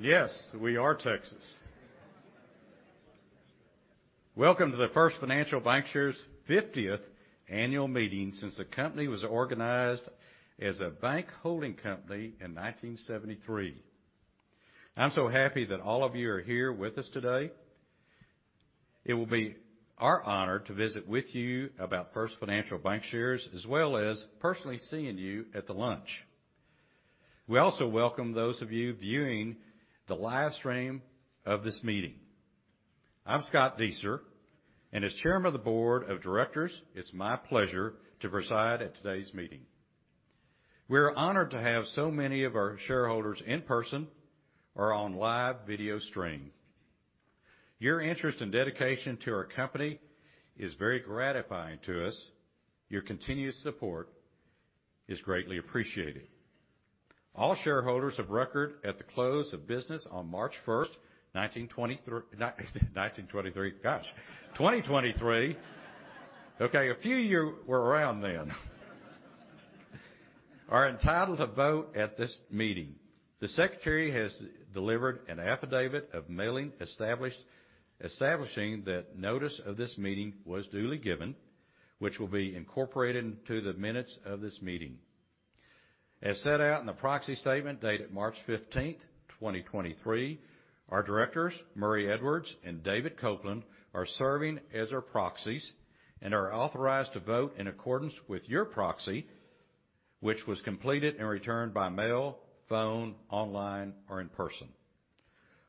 Yes, we are Texas. Welcome to the First Financial Bankshares' 50th annual meeting since the company was organized as a bank holding company in 1973. I'm so happy that all of you are here with us today. It will be our honor to visit with you about First Financial Bankshares, as well as personally seeing you at the lunch. We also welcome those of you viewing the live stream of this meeting. I'm Scott Dueser, as Chairman of the Board of Directors, it's my pleasure to preside at today's meeting. We are honored to have so many of our shareholders in person or on live video stream. Your interest and dedication to our company is very gratifying to us. Your continuous support is greatly appreciated. All shareholders of record at the close of business on March first, 1923. 1923? Gosh. 2023. Okay, a few of you were around then. Are entitled to vote at this meeting. The secretary has delivered an affidavit of mailing establishing that notice of this meeting was duly given, which will be incorporated into the minutes of this meeting. As set out in the proxy statement dated March 15th, 2023, our directors, Murray Edwards and David Copeland, are serving as our proxies and are authorized to vote in accordance with your proxy, which was completed and returned by mail, phone, online or in person.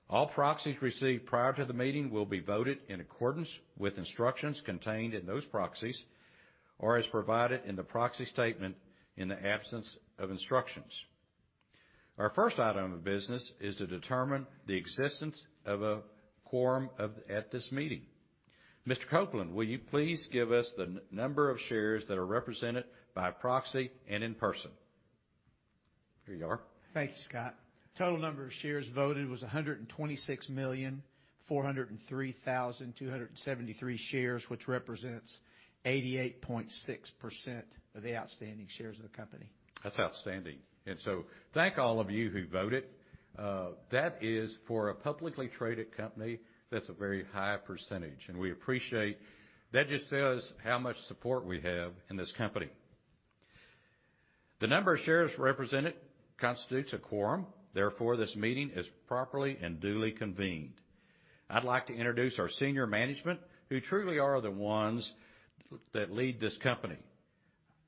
All proxies received prior to the meeting will be voted in accordance with instructions contained in those proxies or as provided in the proxy statement in the absence of instructions. Our first item of business is to determine the existence of a quorum of, at this meeting. Copeland, will you please give us the number of shares that are represented by proxy and in person? Here you are. Thank you, Scott. Total number of shares voted was 126,403,273 shares, which represents 88.6% of the outstanding shares of the company. That's outstanding. Thank all of you who voted. That is, for a publicly traded company, that's a very high percentage, and we appreciate. That just says how much support we have in this company. The number of shares represented constitutes a quorum. Therefore, this meeting is properly and duly convened. I'd like to introduce our senior management, who truly are the ones that lead this company.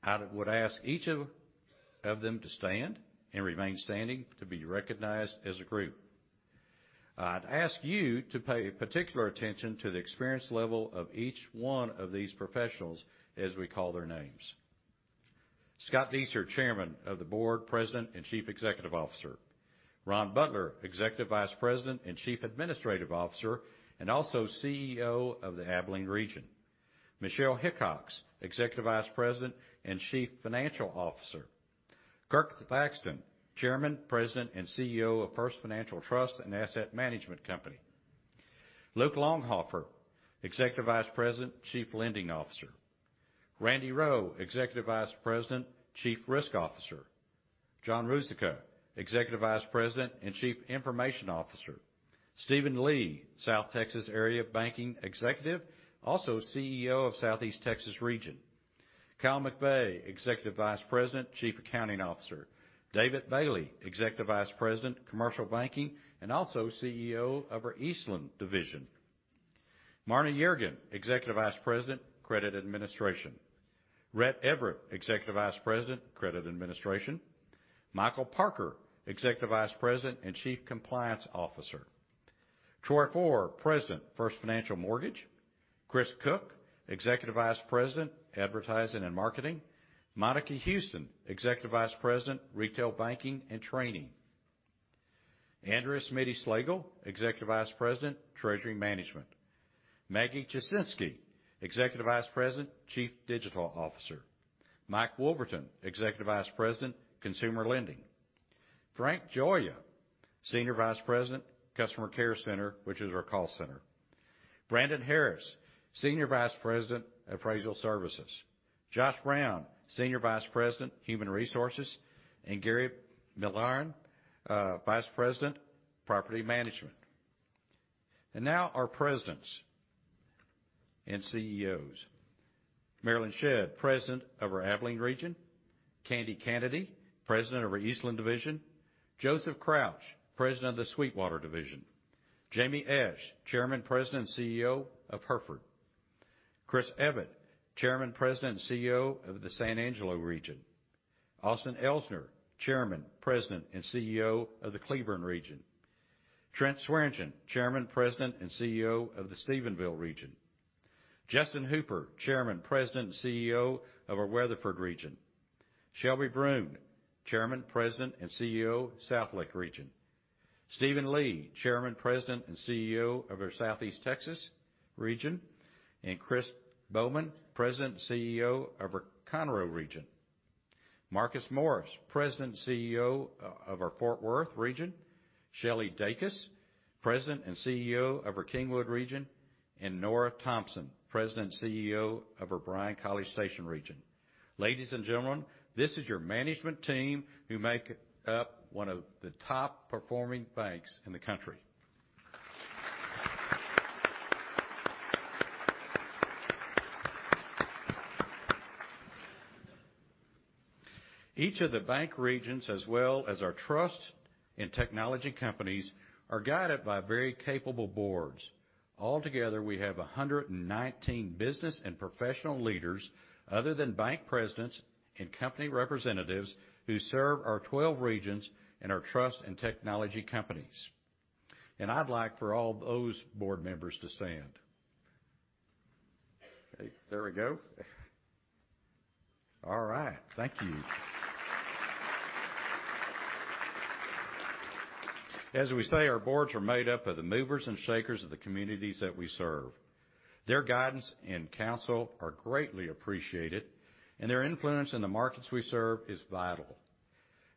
I would ask each of them to stand and remain standing to be recognized as a group. I'd ask you to pay particular attention to the experience level of each one of these professionals as we call their names. F. Scott Dueser, Chairman of the Board, President, and Chief Executive Officer. Ron Butler, Executive Vice President and Chief Administrative Officer, and also CEO of the Abilene Region. Michelle S. Hickox, Executive Vice President and Chief Financial Officer. Kirk Thaxton, Chairman, President, and CEO of First Financial Trust, an asset management company. Luke Longhofer, Executive Vice President, Chief Lending Officer. Randy Rowe, Executive Vice President, Chief Risk Officer. John Ruzicka, Executive Vice President and Chief Information Officer. Stephen Lee, South Texas Area Banking Executive, also CEO of Southeast Texas region. Kyle McVey, Executive Vice President, Chief Accounting Officer. David Bailey, Executive Vice President, Commercial Banking, and also CEO of our Eastland Division. Marna Yeargin, Executive Vice President, Credit Administration. Rett Everett, Executive Vice President, Credit Administration. Michael Parker, Executive Vice President and Chief Compliance Officer. Troy Orr, President, First Financial Mortgage. Chris Cook, Executive Vice President, Advertising and Marketing. Monica Houston, Executive Vice President, Retail Banking and Training. Andrea Smiddy-Schlagel, Executive Vice President, Treasury Management. Maggie Jasinski, Executive Vice President, Chief Digital Officer. Mike Wolverton, Executive Vice President, Consumer Lending. Frank Gioia, Senior Vice President, Customer Care Center, which is our call center. Brandon Harris, Senior Vice President, Appraisal Services. Josh Brown, Senior Vice President, Human Resources. Gary Milliorn, Vice President, Property Management. Now our Presidents and CEOs. Marelyn Shedd, President of our Abilene region. Candy Cannady, President of our Eastland Division. Joseph Crouch, President of the Sweetwater Division. Jamie Esch, Chairman, President, and CEO of Hereford. Chris Evatt, Chairman, President, and CEO of the San Angelo region. Austin Elsner, Chairman, President, and CEO of the Cleburne region. Trent Swearengin, Chairman, President, and CEO of the Stephenville region. Justin Hooper, Chairman, President, and CEO of our Weatherford region. Shelby Bruhn, Chairman, President, and CEO, Southlake region. Stephen Lee, Chairman, President, and CEO of our Southeast Texas region. Chris Baughman, President and CEO of our Conroe region. Marcus Morris, President and CEO of our Fort Worth Region. Shelley Dacus, President and CEO of our Kingwood Region, and Nora Thompson, President and CEO of our Bryan-College Station Region. Ladies and gentlemen, this is your management team who make up one of the top performing banks in the country. Each of the bank regions, as well as our trust and technology companies, are guided by very capable boards. Altogether, we have 119 business and professional leaders other than bank presidents and company representatives who serve our 12 regions and our trust and technology companies. I'd like for all those board members to stand. There we go. All right. Thank you. As we say, our boards are made up of the movers and shakers of the communities that we serve. Their guidance and counsel are greatly appreciated, and their influence in the markets we serve is vital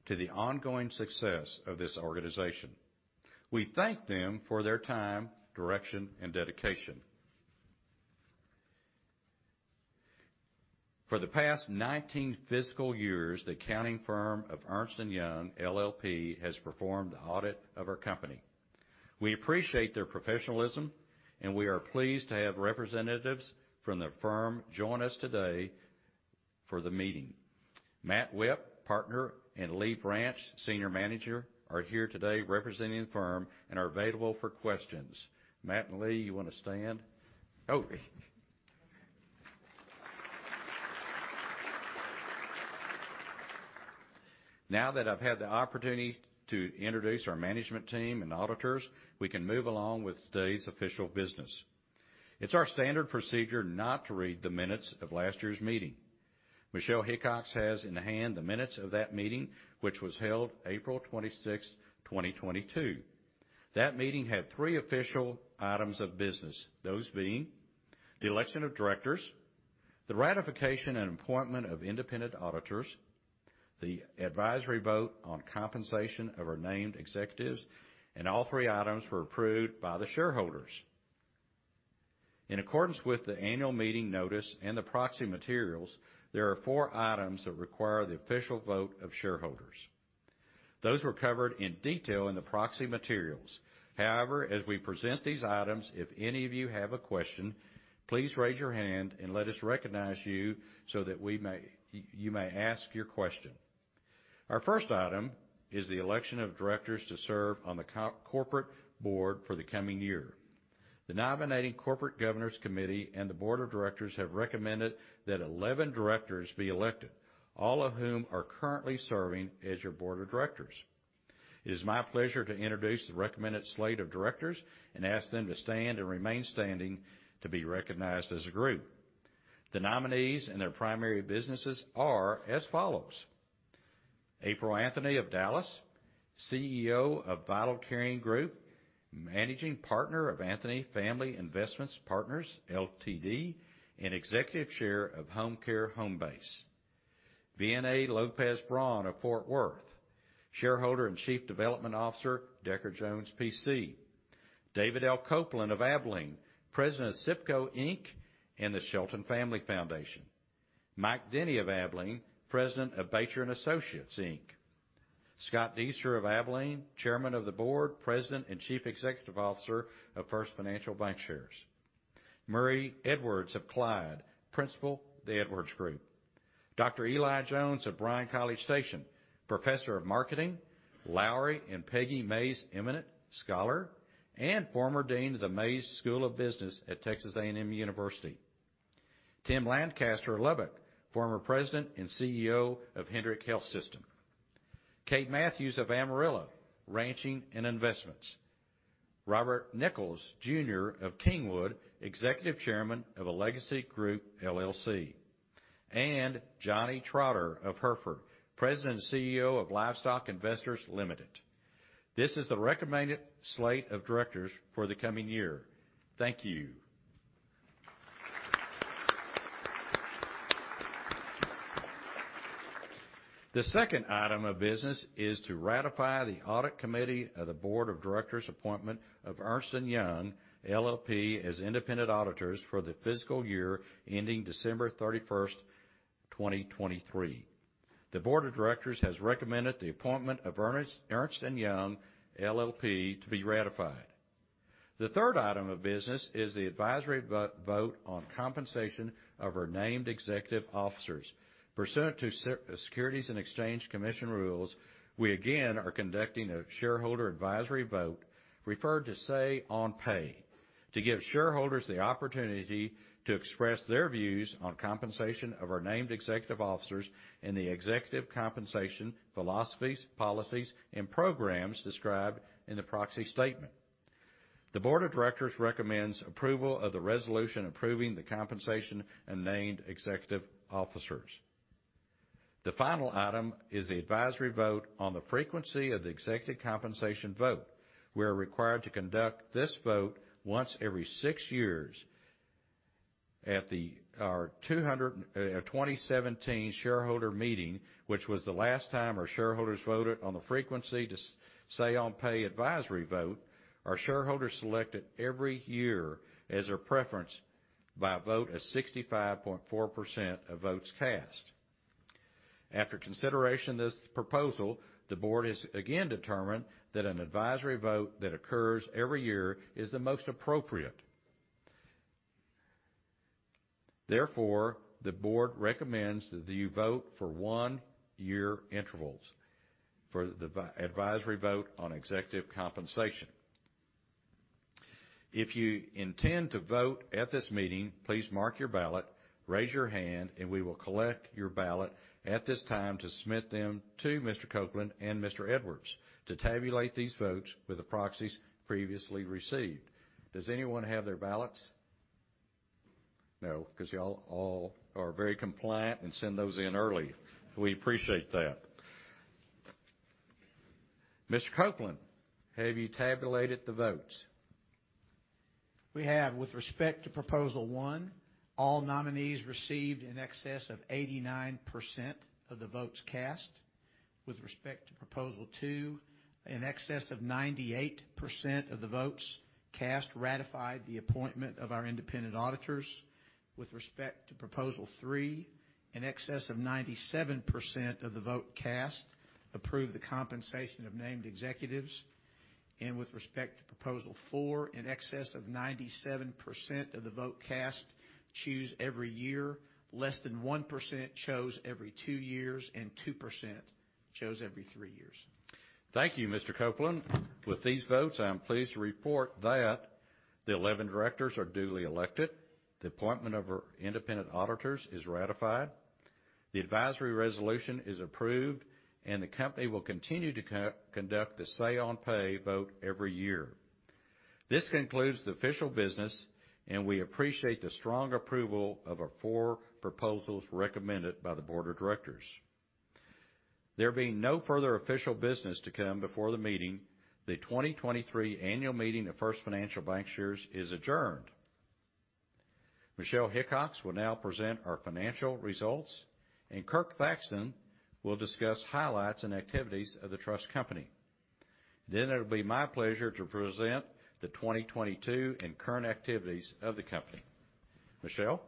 to the ongoing success of this organization. We thank them for their time, direction, and dedication. For the past 19 fiscal years, the accounting firm of Ernst & Young LLP has performed the audit of our company. We appreciate their professionalism, and we are pleased to have representatives from the firm join us today for the meeting. Matt Whipp, Partner, and Lee Branch, Senior Manager, are here today representing the firm and are available for questions. Matt and Lee, you want to stand? Okay. Now that I've had the opportunity to introduce our management team and auditors, we can move along with today's official business. It's our standard procedure not to read the minutes of last year's meeting. Michelle Hickox has in hand the minutes of that meeting, which was held April 26, 2022. That meeting had three official items of business, those being the election of directors, the ratification and appointment of independent auditors, the advisory vote on compensation of our named executives, and all three items were approved by the shareholders. In accordance with the annual meeting notice and the proxy materials, there are four items that require the official vote of shareholders. Those were covered in detail in the proxy materials. However, as we present these items, if any of you have a question, please raise your hand and let us recognize you so that we may ask your question. Our first item is the election of directors to serve on the co-corporate board for the coming year. The Nominating/Corporate Governance Committee and the board of directors have recommended that 11 directors be elected, all of whom are currently serving as your board of directors. It is my pleasure to introduce the recommended slate of directors and ask them to stand and remain standing to be recognized as a group. The nominees and their primary businesses are as follows: April Anthony of Dallas, CEO of Vital Caring Group, Managing Partner of Anthony Family Investment Partners Ltd, and Executive Chair of Homecare Homebase. Vianei Lopez Braun of Fort Worth, Shareholder and Chief Development Officer, Decker Jones, P.C. David L. Copeland of Abilene, President of SIPCO, Inc. and the Shelton Family Foundation. Mike Denny of Abilene, President of Batjer & Associates, Inc. Scott Dueser of Abilene, Chairman of the Board, President and Chief Executive Officer of First Financial Bankshares. Murray Edwards of Clyde, Principal, The Edwards Group. Dr. Eli Jones of Bryan-College Station, Professor of Marketing, Lowry and Peggy Mays Eminent Scholar, and former Dean of the Mays Business School at Texas A&M University. Tim Lancaster of Lubbock, former President and CEO of Hendrick Health System. Kade Matthews of Amarillo, Ranching and Investments. Robert Nickles, Jr. of Kingwood, Executive Chairman of Alegacy Group, LLC. Johnny Trotter of Hereford, President and CEO of Livestock Investors, Ltd. This is the recommended slate of directors for the coming year. Thank you. The second item of business is to ratify the audit committee of the board of directors appointment of Ernst & Young LLP as independent auditors for the fiscal year ending December 31st, 2023. The board of directors has recommended the appointment of Ernst & Young LLP to be ratified. The third item of business is the advisory vote on compensation of our named executive officers. Pursuant to Securities and Exchange Commission rules, we again are conducting a shareholder advisory vote, referred to Say-on-Pay, to give shareholders the opportunity to express their views on compensation of our named executive officers and the executive compensation philosophies, policies, and programs described in the proxy statement. The board of directors recommends approval of the resolution approving the compensation of named executive officers. The final item is the advisory vote on the frequency of the executive compensation vote. We are required to conduct this vote once every 6 years. At our 2017 shareholder meeting, which was the last time our shareholders voted on the frequency to Say-on-Pay advisory vote. Our shareholders selected every year as their preference by a vote of 65.4% of votes cast. After consideration of this proposal, the board has again determined that an advisory vote that occurs every year is the most appropriate. The board recommends that you vote for one-year intervals for the advisory vote on executive compensation. If you intend to vote at this meeting, please mark your ballot, raise your hand, and we will collect your ballot at this time to submit them to Mr. Copeland and Mr. Edwards to tabulate these votes with the proxies previously received. Does anyone have their ballots? Because y'all are very compliant and send those in early. We appreciate that. Mr. Copeland, have you tabulated the votes? We have. With respect to proposal one, all nominees received in excess of 89% of the votes cast. With respect to proposal two, in excess of 98% of the votes cast ratified the appointment of our independent auditors. With respect to proposal three, in excess of 97% of the vote cast approved the compensation of named executives. With respect to proposal four, in excess of 97% of the vote cast choose every year. Less than 1% chose every two years, and 2% chose every three years. Thank you, Mr. Copeland. With these votes, I am pleased to report that the 11 directors are duly elected, the appointment of our independent auditors is ratified, the advisory resolution is approved, and the company will continue to co-conduct the Say-on-Pay vote every year. This concludes the official business. We appreciate the strong approval of our four proposals recommended by the board of directors. There being no further official business to come before the meeting, the 2023 annual meeting of First Financial Bankshares is adjourned. Michelle Hickox will now present our financial results. Kirk Thaxton will discuss highlights and activities of the trust company. It'll be my pleasure to present the 2022 and current activities of the company. Michelle?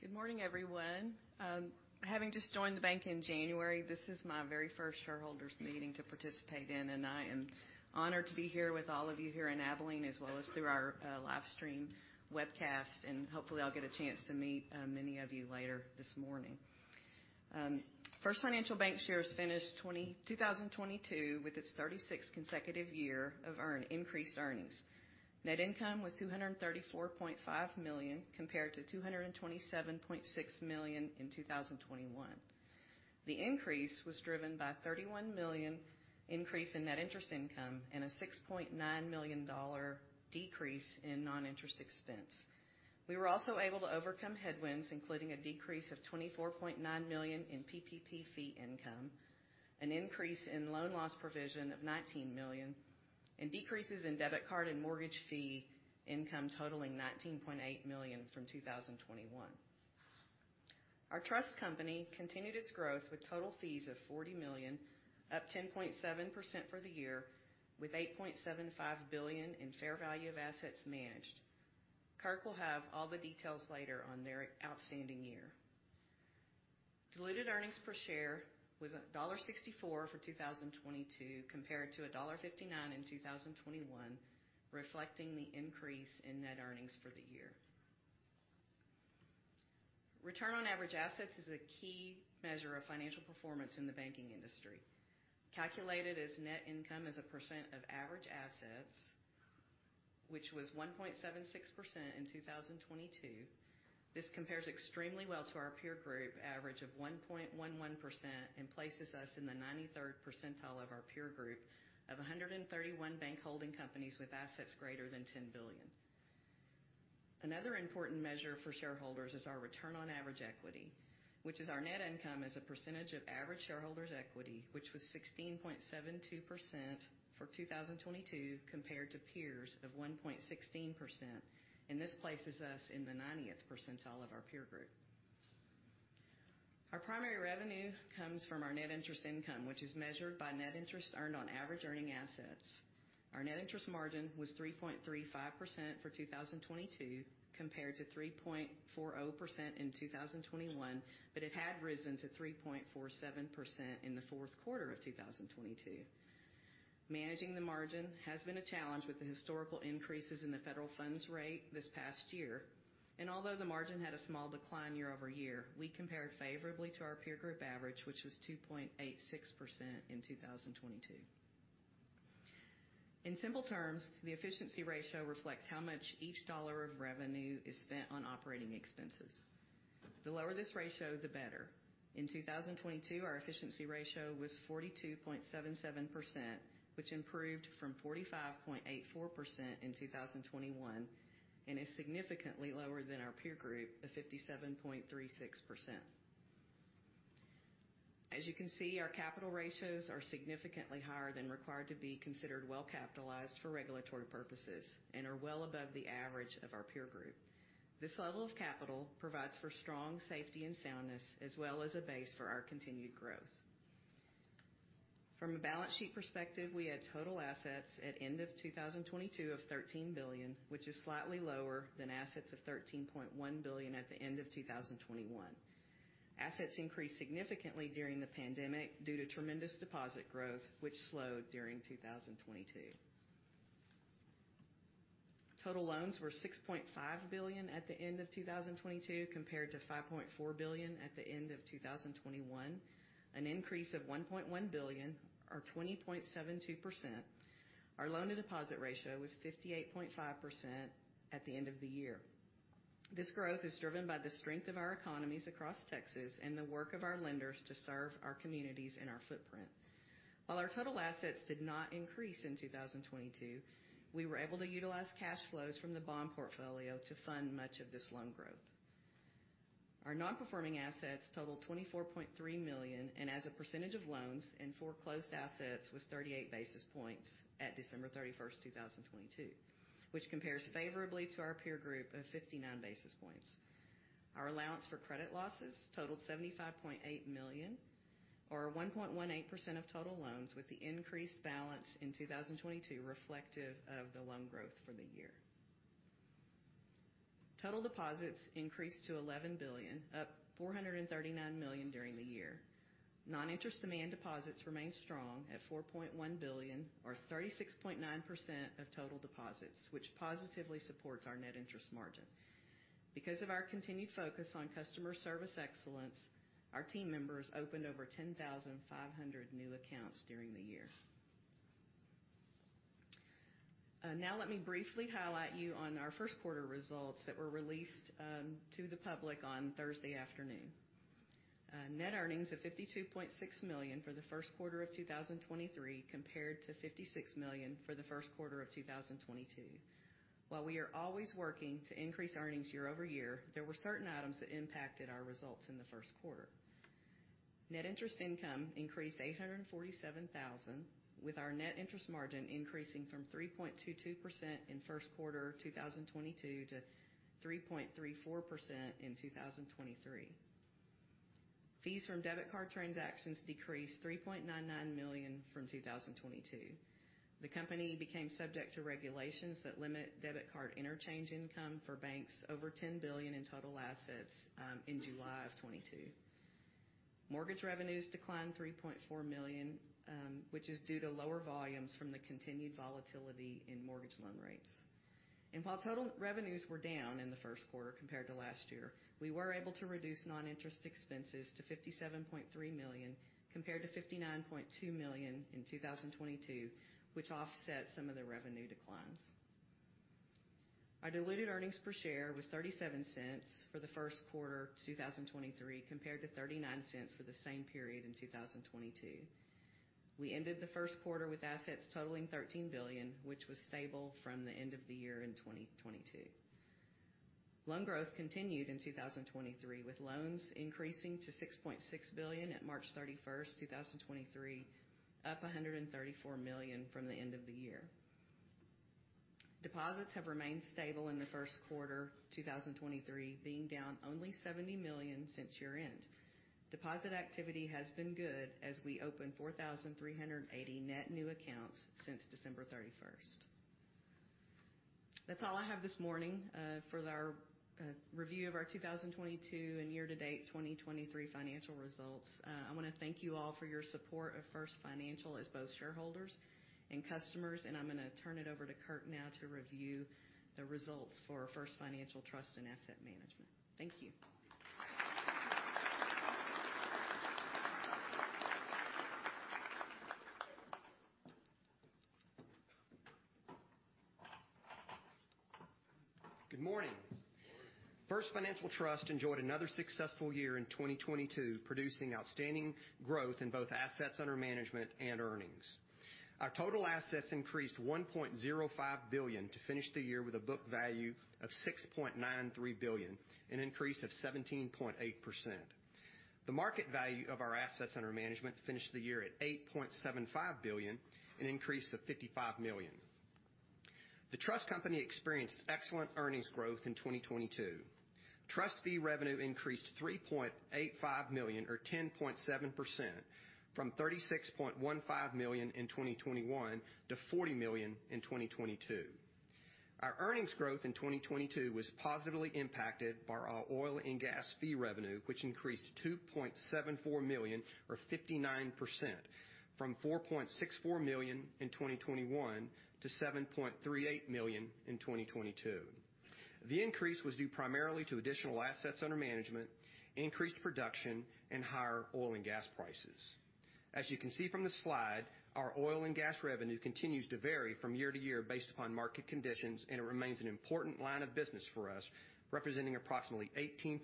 Good morning, everyone. Having just joined the bank in January, this is my very first shareholders meeting to participate in, I am honored to be here with all of you here in Abilene, as well as through our live stream webcast. Hopefully I'll get a chance to meet many of you later this morning. First Financial Bankshares finished 2022 with its 36th consecutive year of increased earnings. Net income was $234.5 million, compared to $227.6 million in 2021. The increase was driven by $31 million increase in net interest income and a $6.9 million decrease in non-interest expense. We were also able to overcome headwinds, including a decrease of $24.9 million in PPP fee income, an increase in loan loss provision of $19 million, and decreases in debit card and mortgage fee income totaling $19.8 million from 2021. Our trust company continued its growth with total fees of $40 million, up 10.7% for the year, with $8.75 billion in fair value of assets managed. Kirk will have all the details later on their outstanding year. Diluted earnings per share was $1.64 for 2022, compared to $1.59 in 2021, reflecting the increase in net earnings for the year. Return on average assets is a key measure of financial performance in the banking industry. Calculated as net income as a percent of average assets, which was 1.76% in 2022. This compares extremely well to our peer group average of 1.11% and places us in the 93rd percentile of our peer group of 131 bank holding companies with assets greater than $10 billion. Another important measure for shareholders is our return on average equity, which is our net income as a percentage of average shareholders equity, which was 16.72% for 2022, compared to peers of 1.16%. This places us in the 90th percentile of our peer group. Our primary revenue comes from our net interest income, which is measured by net interest earned on average earning assets. Our net interest margin was 3.35% for 2022, compared to 3.40% in 2021, but it had risen to 3.47% in the fourth quarter of 2022. Managing the margin has been a challenge with the historical increases in the federal funds rate this past year. Although the margin had a small decline year-over-year, we compared favorably to our peer group average, which was 2.86% in 2022. In simple terms, the efficiency ratio reflects how much each $1 of revenue is spent on operating expenses. The lower this ratio, the better. In 2022, our efficiency ratio was 42.77%, which improved from 45.84% in 2021 and is significantly lower than our peer group of 57.36%. As you can see, our capital ratios are significantly higher than required to be considered well-capitalized for regulatory purposes and are well above the average of our peer group. This level of capital provides for strong safety and soundness as well as a base for our continued growth. From a balance sheet perspective, we had total assets at end of 2022 of $13 billion, which is slightly lower than assets of $13.1 billion at the end of 2021. Assets increased significantly during the pandemic due to tremendous deposit growth, which slowed during 2022. Total loans were $6.5 billion at the end of 2022, compared to $5.4 billion at the end of 2021, an increase of $1.1 billion or 20.72%. Our loan to deposit ratio was 58.5% at the end of the year. This growth is driven by the strength of our economies across Texas and the work of our lenders to serve our communities and our footprint. Our total assets did not increase in 2022, we were able to utilize cash flows from the bond portfolio to fund much of this loan growth. Our nonperforming assets totaled $24.3 million and as a percentage of loans and foreclosed assets was 38 basis points at December 31, 2022, which compares favorably to our peer group of 59 basis points. Our allowance for credit losses totaled $75.8 million or 1.18% of total loans, with the increased balance in 2022 reflective of the loan growth for the year. Total deposits increased to $11 billion, up $439 million during the year. Non-interest demand deposits remained strong at $4.1 billion or 36.9% of total deposits, which positively supports our net interest margin. Because of our continued focus on customer service excellence, our team members opened over 10,500 new accounts during the year. Now let me briefly highlight you on our first quarter results that were released to the public on Thursday afternoon. Net earnings of $52.6 million for the first quarter of 2023, compared to $56 million for the first quarter of 2022. While we are always working to increase earnings year-over-year, there were certain items that impacted our results in the first quarter. Net interest income increased $847,000, with our net interest margin increasing from 3.22% in first quarter 2022 to 3.34% in 2023. Fees from debit card transactions decreased $3.99 million from 2022. The company became subject to regulations that limit debit card interchange income for banks over $10 billion in total assets, in July of 2022. Mortgage revenues declined $3.4 million, which is due to lower volumes from the continued volatility in mortgage loan rates. While total revenues were down in the first quarter compared to last year, we were able to reduce non-interest expenses to $57.3 million, compared to $59.2 million in 2022, which offset some of the revenue declines. Our diluted earnings per share was $0.37 for the first quarter 2023, compared to $0.39 for the same period in 2022. We ended the first quarter with assets totaling $13 billion, which was stable from the end of the year in 2022. Loan growth continued in 2023, with loans increasing to $6.6 billion at March 31st, 2023, up $134 million from the end of the year. Deposits have remained stable in the first quarter 2023, being down only $70 million since year-end. Deposit activity has been good as we opened 4,380 net new accounts since December 31st. That's all I have this morning, for our review of our 2022 and year to date 2023 financial results. I wanna thank you all for your support of First Financial as both shareholders and customers. I'm gonna turn it over to Kurt now to review the results for First Financial Trust and Asset Management. Thank you. Good morning. Good morning. First Financial Trust enjoyed another successful year in 2022, producing outstanding growth in both assets under management and earnings. Our total assets increased $1.05 billion to finish the year with a book value of $6.93 billion, an increase of 17.8%. The market value of our assets under management finished the year at $8.75 billion, an increase of $55 million. The Trust company experienced excellent earnings growth in 2022. Trust fee revenue increased $3.85 million or 10.7% from $36.15 million in 2021 to $40 million in 2022. Our earnings growth in 2022 was positively impacted by our oil and gas fee revenue, which increased $2.74 million or 59% from $4.64 million in 2021 to $7.38 million in 2022. The increase was due primarily to additional assets under management, increased production, and higher oil and gas prices. As you can see from the slide, our oil and gas revenue continues to vary from year to year based upon market conditions, it remains an important line of business for us, representing approximately 18%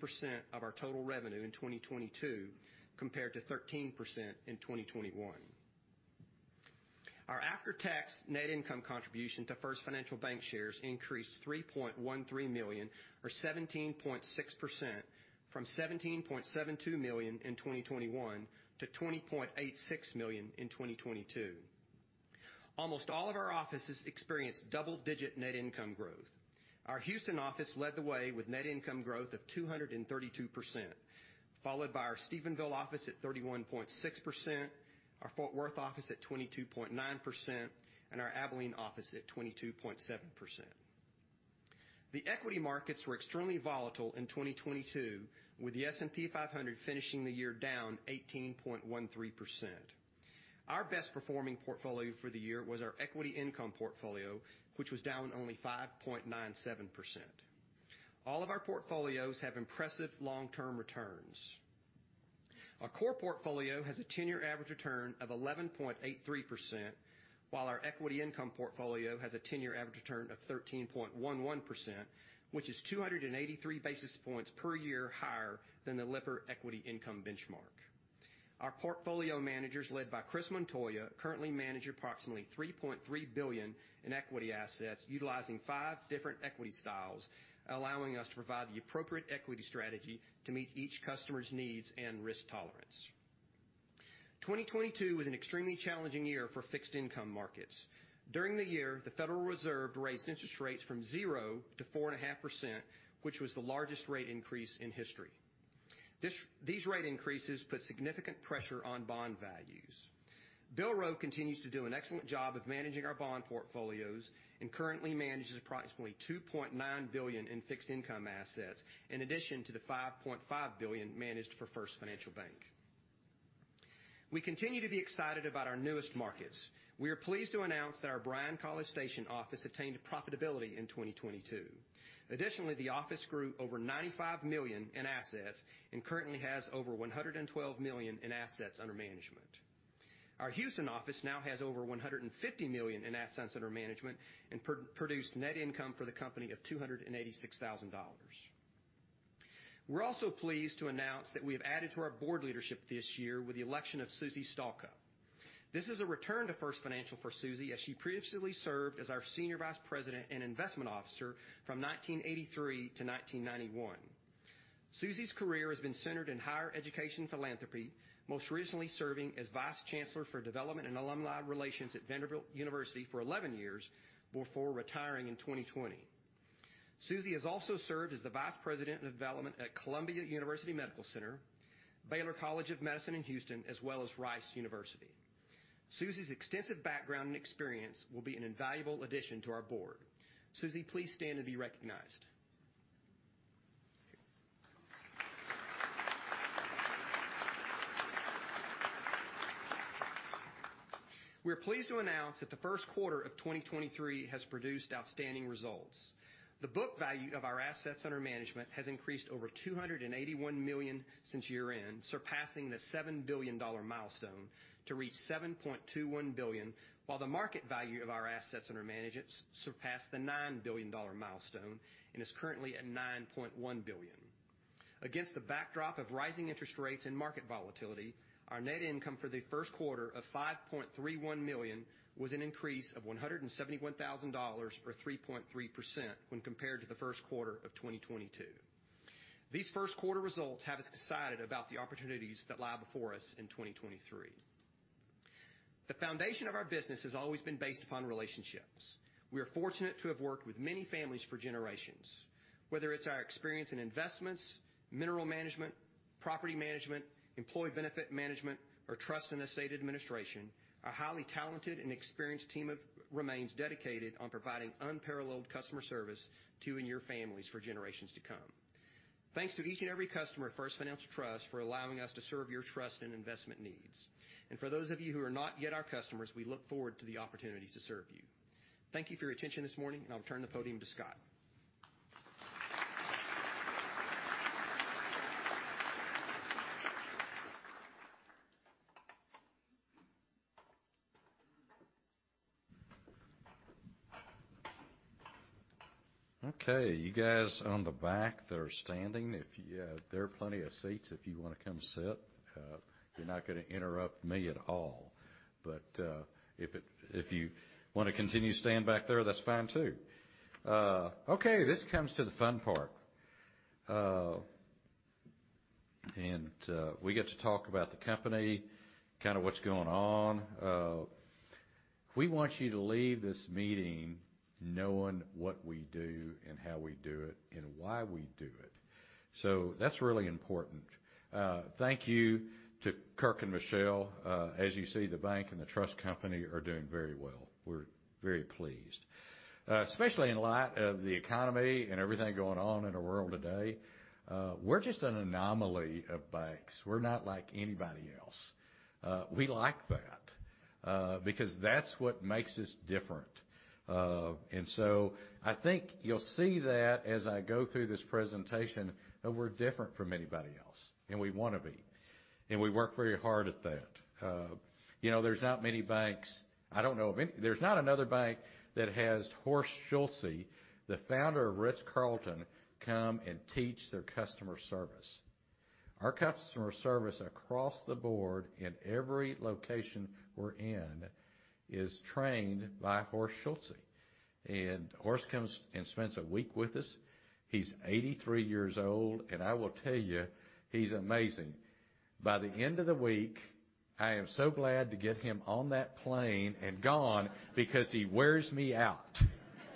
of our total revenue in 2022 compared to 13% in 2021. Our after-tax net income contribution to First Financial Bankshares increased $3.13 million, or 17.6%, from $17.72 million in 2021 to $20.86 million in 2022. Almost all of our offices experienced double-digit net income growth. Our Houston office led the way with net income growth of 232%, followed by our Stephenville office at 31.6%, our Fort Worth office at 22.9%, and our Abilene office at 22.7%. The equity markets were extremely volatile in 2022, with the S&P 500 finishing the year down 18.13%. Our best performing portfolio for the year was our equity income portfolio, which was down only 5.97%. All of our portfolios have impressive long-term returns. Our core portfolio has a 10-year average return of 11.83%, while our equity income portfolio has a 10-year average return of 13.11%, which is 283 basis points per year higher than the Lipper Equity Income benchmark. Our portfolio managers, led by Chris Montoya, currently manage approximately $3.3 billion in equity assets utilizing five different equity styles, allowing us to provide the appropriate equity strategy to meet each customer's needs and risk tolerance. 2022 was an extremely challenging year for fixed income markets. During the year, the Federal Reserve raised interest rates from 0 to 4.5%, which was the largest rate increase in history. These rate increases put significant pressure on bond values. Bill Rowe continues to do an excellent job of managing our bond portfolios and currently manages approximately $2.9 billion in fixed income assets, in addition to the $5.5 billion managed for First Financial Bank. We continue to be excited about our newest markets. We are pleased to announce that our Bryan-College Station office attained profitability in 2022. Additionally, the office grew over $95 million in assets and currently has over $112 million in assets under management. Our Houston office now has over $150 million in assets under management and produced net income for the company of $286,000. We're also pleased to announce that we have added to our board leadership this year with the election of Susie S. Stalcup. This is a return to First Financial Bank for Susie, as she previously served as our Senior Vice President and Investment Officer from 1983 to 1991. Susie's career has been centered in higher education philanthropy, most recently serving as Vice Chancellor for Development and Alumni Relations at Vanderbilt University for 11 years before retiring in 2020. Susie has also served as the Vice President of Development at Columbia University Irving Medical Center, Baylor College of Medicine in Houston, as well as Rice University. Susie's extensive background and experience will be an invaluable addition to our board. Susie, please stand and be recognized. We're pleased to announce that the first quarter of 2023 has produced outstanding results. The book value of our assets under management has increased over $281 million since year-end, surpassing the $7 billion milestone to reach $7.21 billion, while the market value of our assets under management surpassed the $9 billion milestone and is currently at $9.1 billion. Against the backdrop of rising interest rates and market volatility, our net income for the first quarter of $5.31 million was an increase of $171,000, or 3.3%, when compared to the first quarter of 2022. These first quarter results have us excited about the opportunities that lie before us in 2023. The foundation of our business has always been based upon relationships. We are fortunate to have worked with many families for generations, whether it's our experience in investments, mineral management, property management, employee benefit management, or trust and estate administration. Our highly talented and experienced team remains dedicated on providing unparalleled customer service to you and your families for generations to come. Thanks to each and every customer at First Financial Trust for allowing us to serve your trust and investment needs. For those of you who are not yet our customers, we look forward to the opportunity to serve you. Thank you for your attention this morning, and I'll turn the podium to Scott. Okay, you guys on the back that are standing, if there are plenty of seats if you wanna come sit. You're not gonna interrupt me at all. If you wanna continue standing back there, that's fine too. Okay, this comes to the fun part. We get to talk about the company, kinda what's going on. We want you to leave this meeting knowing what we do and how we do it and why we do it. That's really important. Thank you to Kirk and Michelle. As you see, the bank and the trust company are doing very well. We're very pleased. Especially in light of the economy and everything going on in the world today, we're just an anomaly of banks. We're not like anybody else. We like that. Because that's what makes us different. I think you'll see that as I go through this presentation that we're different from anybody else, we wanna be. We work very hard at that. You know, there's not many banks. I don't know of any. There's not another bank that has Horst Schulze, the founder of Ritz-Carlton, come and teach their customer service. Our customer service across the board in every location we're in is trained by Horst Schulze. Horst comes and spends a week with us. He's 83 years old, and I will tell you, he's amazing. By the end of the week, I am so glad to get him on that plane and gone because he wears me out,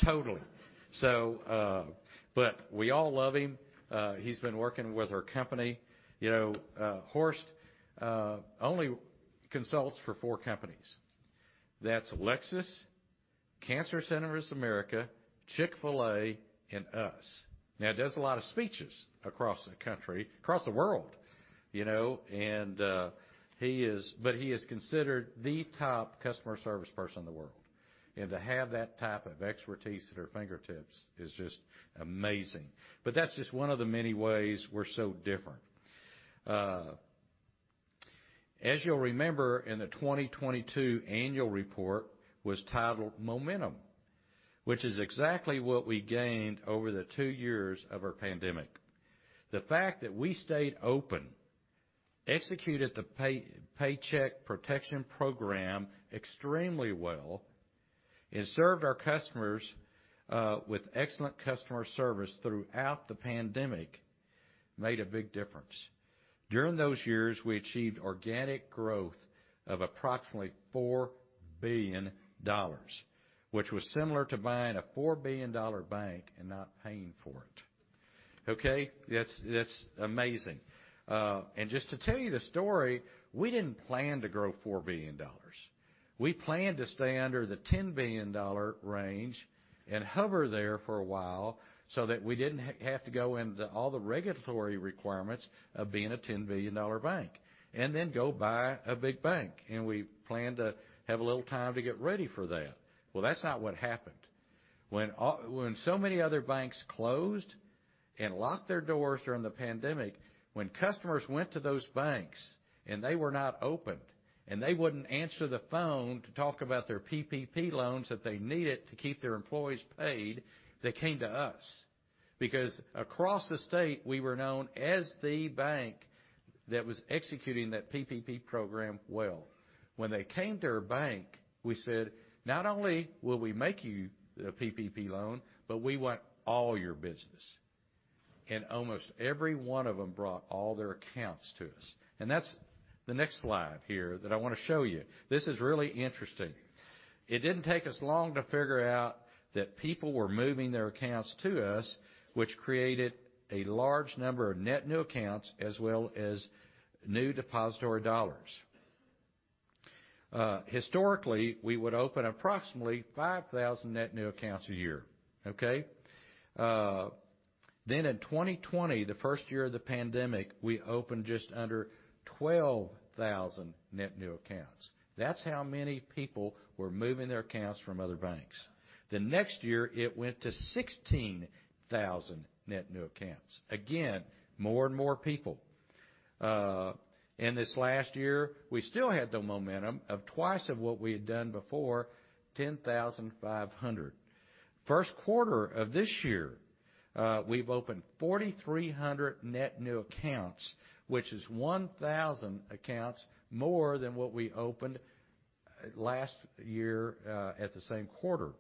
totally. But we all love him. He's been working with our company. You know, Horst only consults for four companies. That's Lexus, Cancer Centers America, Chick-fil-A, and us. He does a lot of speeches across the country, across the world, you know. He is considered the top customer service person in the world. To have that type of expertise at our fingertips is just amazing. That's just one of the many ways we're so different. As you'll remember, in the 2022 annual report was titled Momentum, which is exactly what we gained over the two years of our pandemic. The fact that we stayed open, executed the Paycheck Protection Program extremely well, and served our customers with excellent customer service throughout the pandemic made a big difference. During those years, we achieved organic growth of approximately $4 billion, which was similar to buying a $4 billion bank and not paying for it. Okay. That's amazing. Just to tell you the story, we didn't plan to grow $4 billion. We planned to stay under the $10 billion range and hover there for a while so that we didn't have to go into all the regulatory requirements of being a $10 billion bank, and then go buy a big bank, and we planned to have a little time to get ready for that. That's not what happened. When so many other banks closed and locked their doors during the pandemic, when customers went to those banks and they were not opened, and they wouldn't answer the phone to talk about their PPP loans that they needed to keep their employees paid, they came to us. Because across the state, we were known as the bank that was executing that PPP program well. When they came to our bank, we said, "Not only will we make you the PPP loan, but we want all your business." Almost every one of them brought all their accounts to us. That's the next slide here that I wanna show you. This is really interesting. It didn't take us long to figure out that people were moving their accounts to us, which created a large number of net new accounts as well as new depository dollars. Historically, we would open approximately 5,000 net new accounts a year. Okay? In 2020, the first year of the pandemic, we opened just under 12,000 net new accounts. That's how many people were moving their accounts from other banks. The next year, it went to 16,000 net new accounts. Again, more and more people. In this last year, we still had the momentum of twice of what we had done before, 10,500. First quarter of this year, we've opened 4,300 net new accounts, which is 1,000 accounts more than what we opened last year at the same quarter.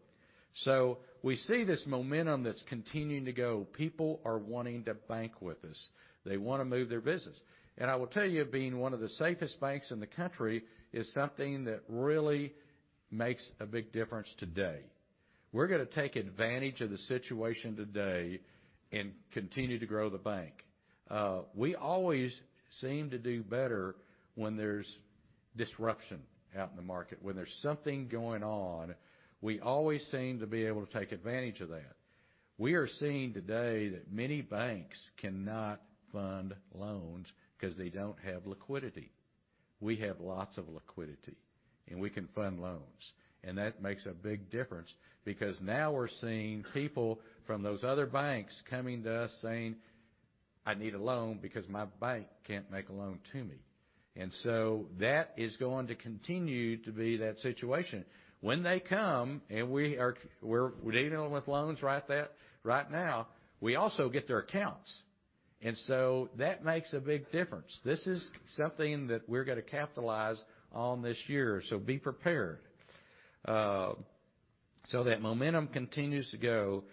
We see this momentum that's continuing to go. People are wanting to bank with us. They want to move their business. I will tell you, being one of the safest banks in the country is something that really makes a big difference today. We're gonna take advantage of the situation today and continue to grow the bank. We always seem to do better when there's disruption out in the market. When there's something going on, we always seem to be able to take advantage of that. We are seeing today that many banks cannot fund loans because they don't have liquidity. We have lots of liquidity, and we can fund loans, and that makes a big difference because now we're seeing people from those other banks coming to us saying, "I need a loan because my bank can't make a loan to me." That is going to continue to be that situation. When they come, we're dealing with loans right that, right now, we also get their accounts. That makes a big difference. This is something that we're gonna capitalize on this year. Be prepared. That momentum continues to go,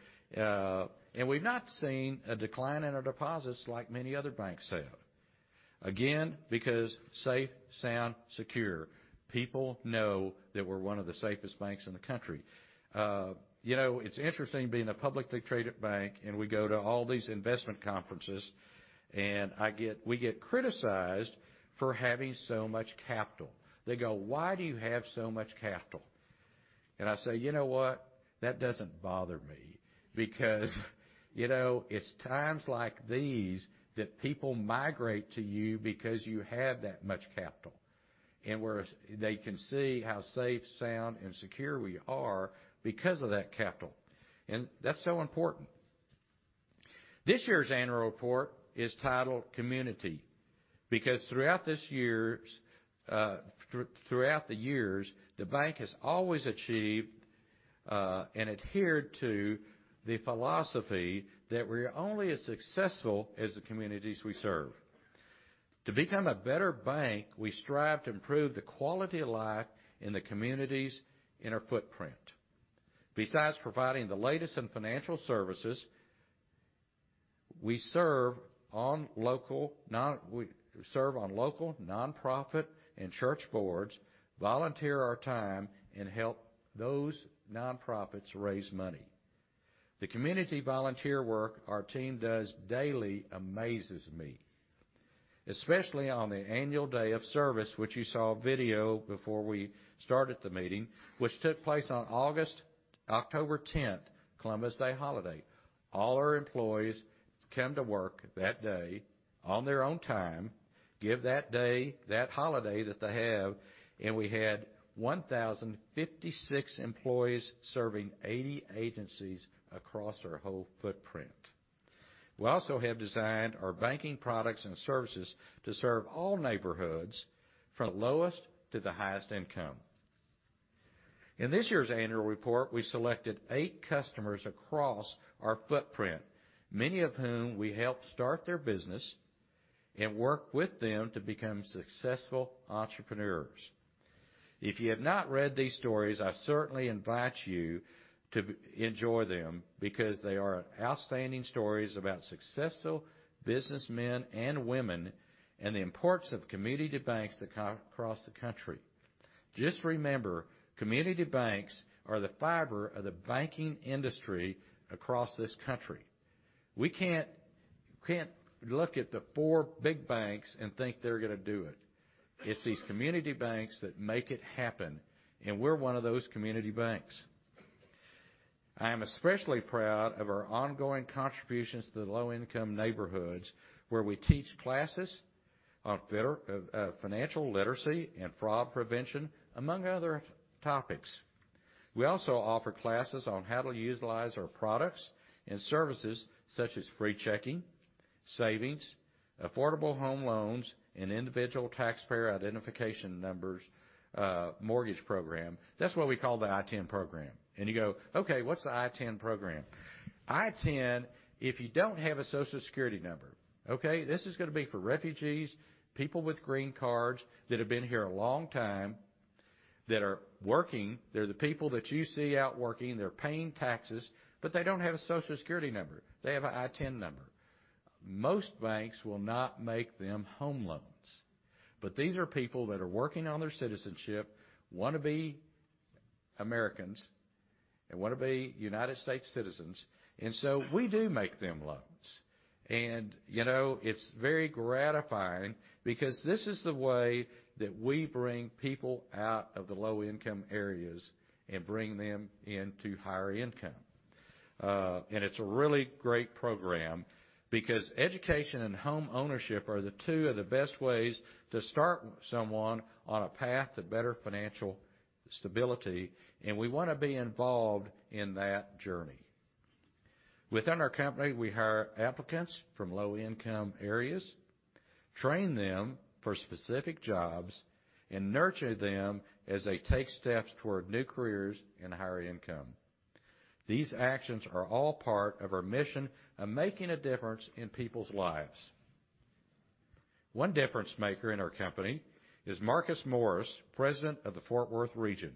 and we've not seen a decline in our deposits like many other banks have. Again, because safe, sound, secure. People know that we're one of the safest banks in the country. You know, it's interesting being a publicly traded bank, and we go to all these investment conferences, and we get criticized for having so much capital. They go, "Why do you have so much capital?" I say, "You know what? That doesn't bother me because, you know, it's times like these that people migrate to you because you have that much capital, and whereas they can see how safe, sound, and secure we are because of that capital. That's so important. This year's annual report is titled Community because throughout the years, the bank has always achieved and adhered to the philosophy that we're only as successful as the communities we serve. To become a better bank, we strive to improve the quality of life in the communities in our footprint. Besides providing the latest in financial services, we serve on local nonprofit and church boards, volunteer our time, and help those nonprofits raise money. The community volunteer work our team does daily amazes me, especially on the annual day of service, which you saw a video before we started the meeting, which took place on October 10th, Columbus Day holiday. All our employees come to work that day on their own time, give that day, that holiday that they have, we had 1,056 employees serving 80 agencies across our whole footprint. We also have designed our banking products and services to serve all neighborhoods from the lowest to the highest income. In this year's annual report, we selected 8 customers across our footprint, many of whom we helped start their business and work with them to become successful entrepreneurs. If you have not read these stories, I certainly invite you to enjoy them because they are outstanding stories about successful businessmen and women and the importance of community banks across the country. Just remember, community banks are the fiber of the banking industry across this country. We can't look at the 4 big banks and think they're gonna do it. It's these community banks that make it happen, and we're one of those community banks. I am especially proud of our ongoing contributions to the low-income neighborhoods, where we teach classes on better financial literacy and fraud prevention, among other topics. We also offer classes on how to utilize our products and services, such as free checking, savings, affordable home loans, and Individual Taxpayer Identification Numbers mortgage program. That's what we call the ITIN program. You go, "Okay, what's the ITIN program?" ITIN, if you don't have a Social Security number, okay? This is gonna be for refugees, people with green cards that have been here a long time, that are working. They're the people that you see out working. They're paying taxes, but they don't have a Social Security number. They have a ITIN number. Most banks will not make them home loans. These are people that are working on their citizenship, wanna be Americans, and wanna be United States citizens. We do make them loans. You know, it's very gratifying because this is the way that we bring people out of the low-income areas and bring them into higher income. It's a really great program because education and homeownership are the two of the best ways to start someone on a path to better financial stability, and we wanna be involved in that journey. Within our company, we hire applicants from low-income areas, train them for specific jobs, and nurture them as they take steps toward new careers and higher income. These actions are all part of our mission of making a difference in people's lives. One difference-maker in our company is Marcus Morris, President of the Fort Worth Region.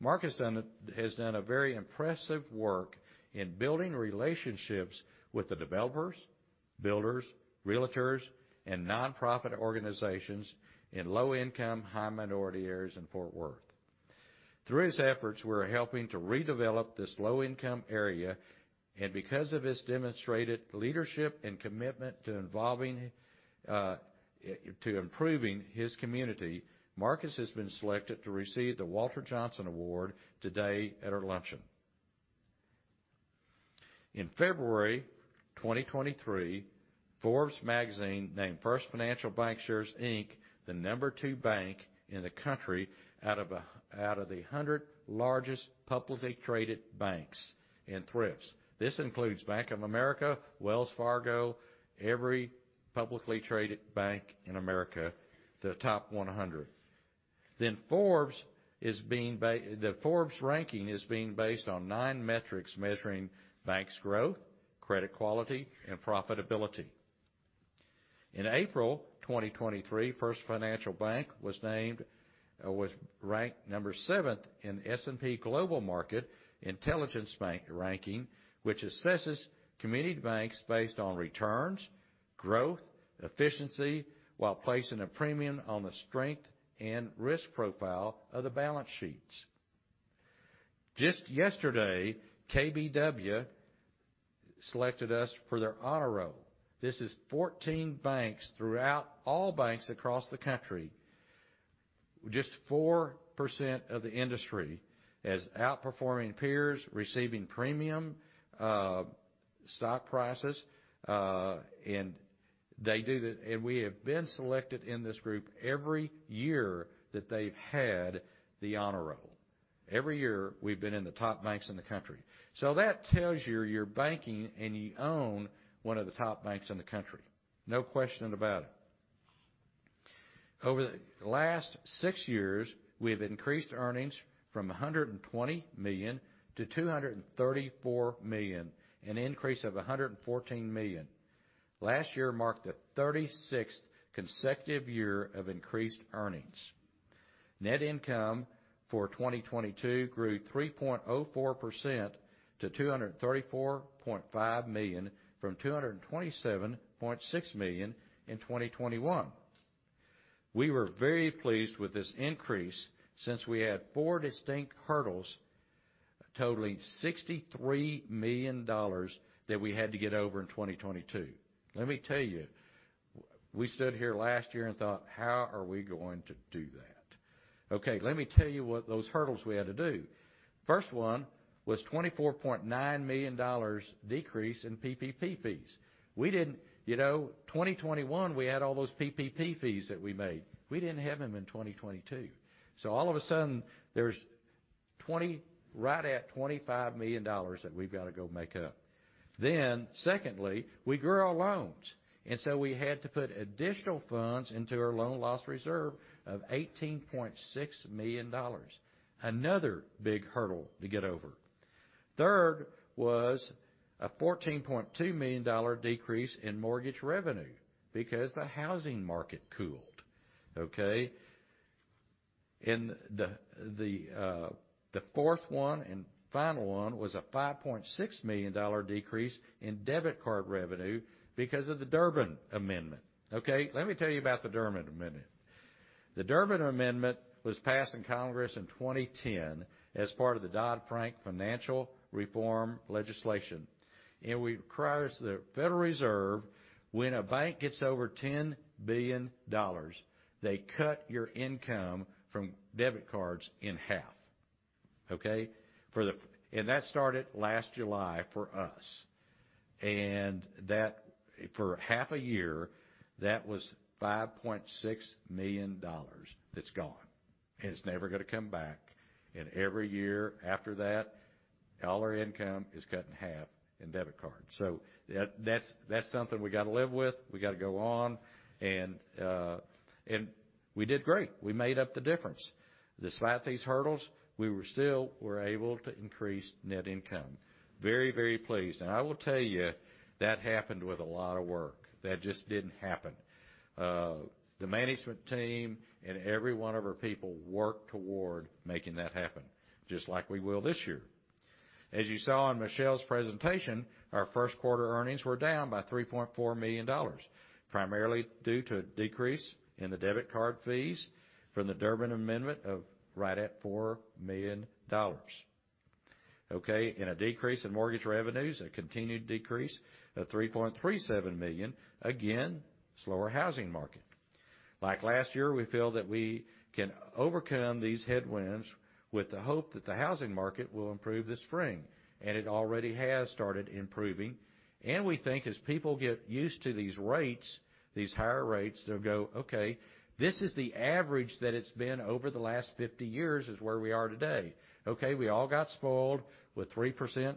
Marcus Morris has done a very impressive work in building relationships with the developers, builders, realtors, and nonprofit organizations in low-income, high-minority areas in Fort Worth. Through his efforts, we're helping to redevelop this low-income area, and because of his demonstrated leadership and commitment to improving his community, Marcus has been selected to receive the Walter Johnson Award today at our luncheon. In February 2023, Forbes magazine named First Financial Bankshares, Inc., the number two bank in the country out of the 100 largest publicly traded banks and thrifts. This includes Bank of America, Wells Fargo, every publicly traded bank in America, the top 100. The Forbes ranking is being based on nine metrics measuring bank's growth, credit quality, and profitability. In April 2023, First Financial Bank was named, was ranked number seven in S&P Global Market Intelligence bank ranking, which assesses community banks based on returns, growth, efficiency, while placing a premium on the strength and risk profile of the balance sheets. Just yesterday, KBW selected us for their honor roll. This is 14 banks throughout all banks across the country. Just 4% of the industry as outperforming peers, receiving premium stock prices, and they do the. We have been selected in this group every year that they've had the honor roll. Every year, we've been in the top banks in the country. That tells you you're banking and you own one of the top banks in the country. No question about it. Over the last six years, we have increased earnings from $120 million to $234 million, an increase of $114 million. Last year marked the 36th consecutive year of increased earnings. Net income for 2022 grew 3.04% to $234.5 million, from $227.6 million in 2021. We were very pleased with this increase since we had four distinct hurdles totaling $63 million that we had to get over in 2022. Let me tell you, we stood here last year and thought, "How are we going to do that?" Let me tell you what those hurdles we had to do. First one was $24.9 million decrease in PPP fees. We didn't, you know, 2021, we had all those PPP fees that we made. We didn't have them in 2022. All of a sudden, there's right at $25 million that we've got to go make up. Secondly, we grew our loans, and so we had to put additional funds into our loan loss reserve of $18.6 million. Another big hurdle to get over. Third was a $14.2 million decrease in mortgage revenue because the housing market cooled. Okay? The fourth one and final one was a $5.6 million decrease in debit card revenue because of the Durbin Amendment. Okay? Let me tell you about the Durbin Amendment. The Durbin Amendment was passed in Congress in 2010 as part of the Dodd-Frank financial reform legislation. The Federal Reserve, when a bank gets over $10 billion, they cut your income from debit cards in half. Okay? That started last July for us. That, for half a year, that was $5.6 million that's gone, and it's never gonna come back. Every year after that, all our income is cut in half in debit cards. That, that's something we gotta live with. We gotta go on. We did great. We made up the difference. Despite these hurdles, we were still were able to increase net income. Very, very pleased. I will tell you, that happened with a lot of work. That just didn't happen. The management team and every one of our people worked toward making that happen, just like we will this year. As you saw in Michelle's presentation, our first quarter earnings were down by $3.4 million, primarily due to a decrease in the debit card fees from the Durbin Amendment of right at $4 million. Okay. In a decrease in mortgage revenues, a continued decrease of $3.37 million. Again, slower housing market. Like last year, we feel that we can overcome these headwinds with the hope that the housing market will improve this spring. It already has started improving. We think as people get used to these rates, these higher rates, they'll go, "Okay, this is the average that it's been over the last 50 years, is where we are today." Okay, we all got spoiled with 3%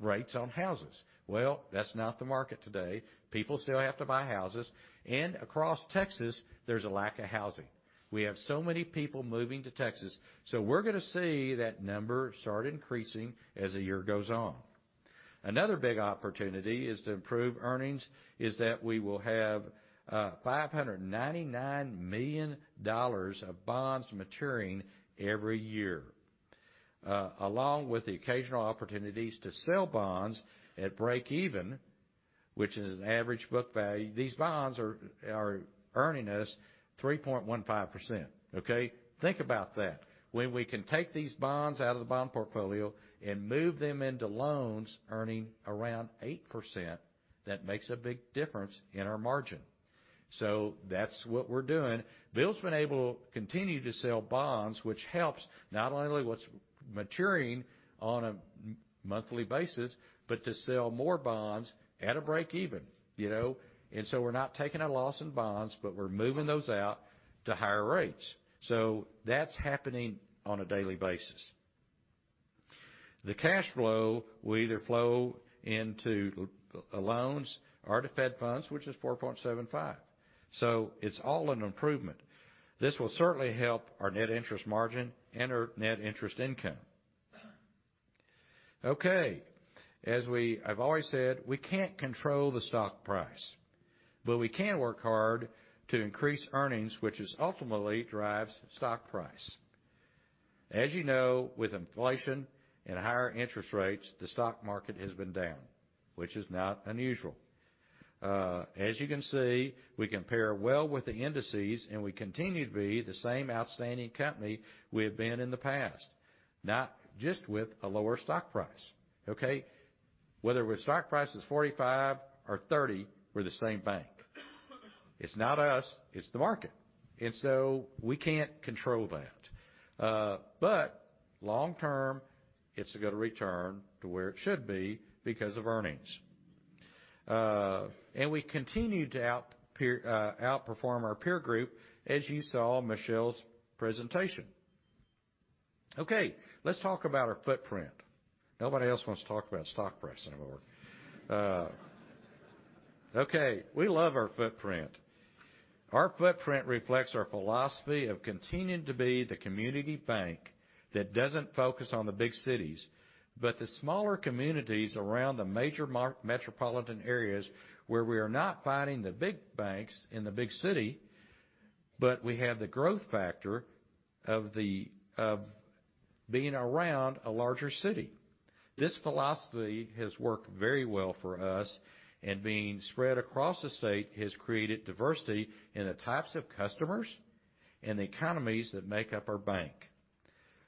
rates on houses. Well, that's not the market today. People still have to buy houses. Across Texas, there's a lack of housing. We have so many people moving to Texas, we're gonna see that number start increasing as the year goes on. Another big opportunity is to improve earnings, is that we will have $599 million of bonds maturing every year, along with the occasional opportunities to sell bonds at break even, which is an average book value. These bonds are earning us 3.15%, okay? Think about that. When we can take these bonds out of the bond portfolio and move them into loans earning around 8%, that makes a big difference in our margin. That's what we're doing. Bill's been able to continue to sell bonds, which helps not only what's maturing on a monthly basis, but to sell more bonds at a break even, you know. We're not taking a loss in bonds, but we're moving those out to higher rates. That's happening on a daily basis. The cash flow will either flow into loans or to Fed funds, which is 4.75. It's all an improvement. This will certainly help our net interest margin and our net interest income. Okay. I've always said, we can't control the stock price, but we can work hard to increase earnings, which ultimately drives stock price. As you know, with inflation and higher interest rates, the stock market has been down, which is not unusual. As you can see, we compare well with the indices, and we continue to be the same outstanding company we have been in the past, not just with a lower stock price, okay? Whether the stock price is 45 or 30, we're the same bank. It's not us, it's the market, we can't control that. Long term, it's gonna return to where it should be because of earnings. We continue to out peer, outperform our peer group, as you saw Michelle's presentation. Okay. Let's talk about our footprint. Nobody else wants to talk about stock price anymore. Okay, we love our footprint. Our footprint reflects our philosophy of continuing to be the community bank that doesn't focus on the big cities, but the smaller communities around the major metropolitan areas where we are not fighting the big banks in the big city, but we have the growth factor of the, of being around a larger city. This philosophy has worked very well for us, being spread across the state has created diversity in the types of customers and the economies that make up our bank.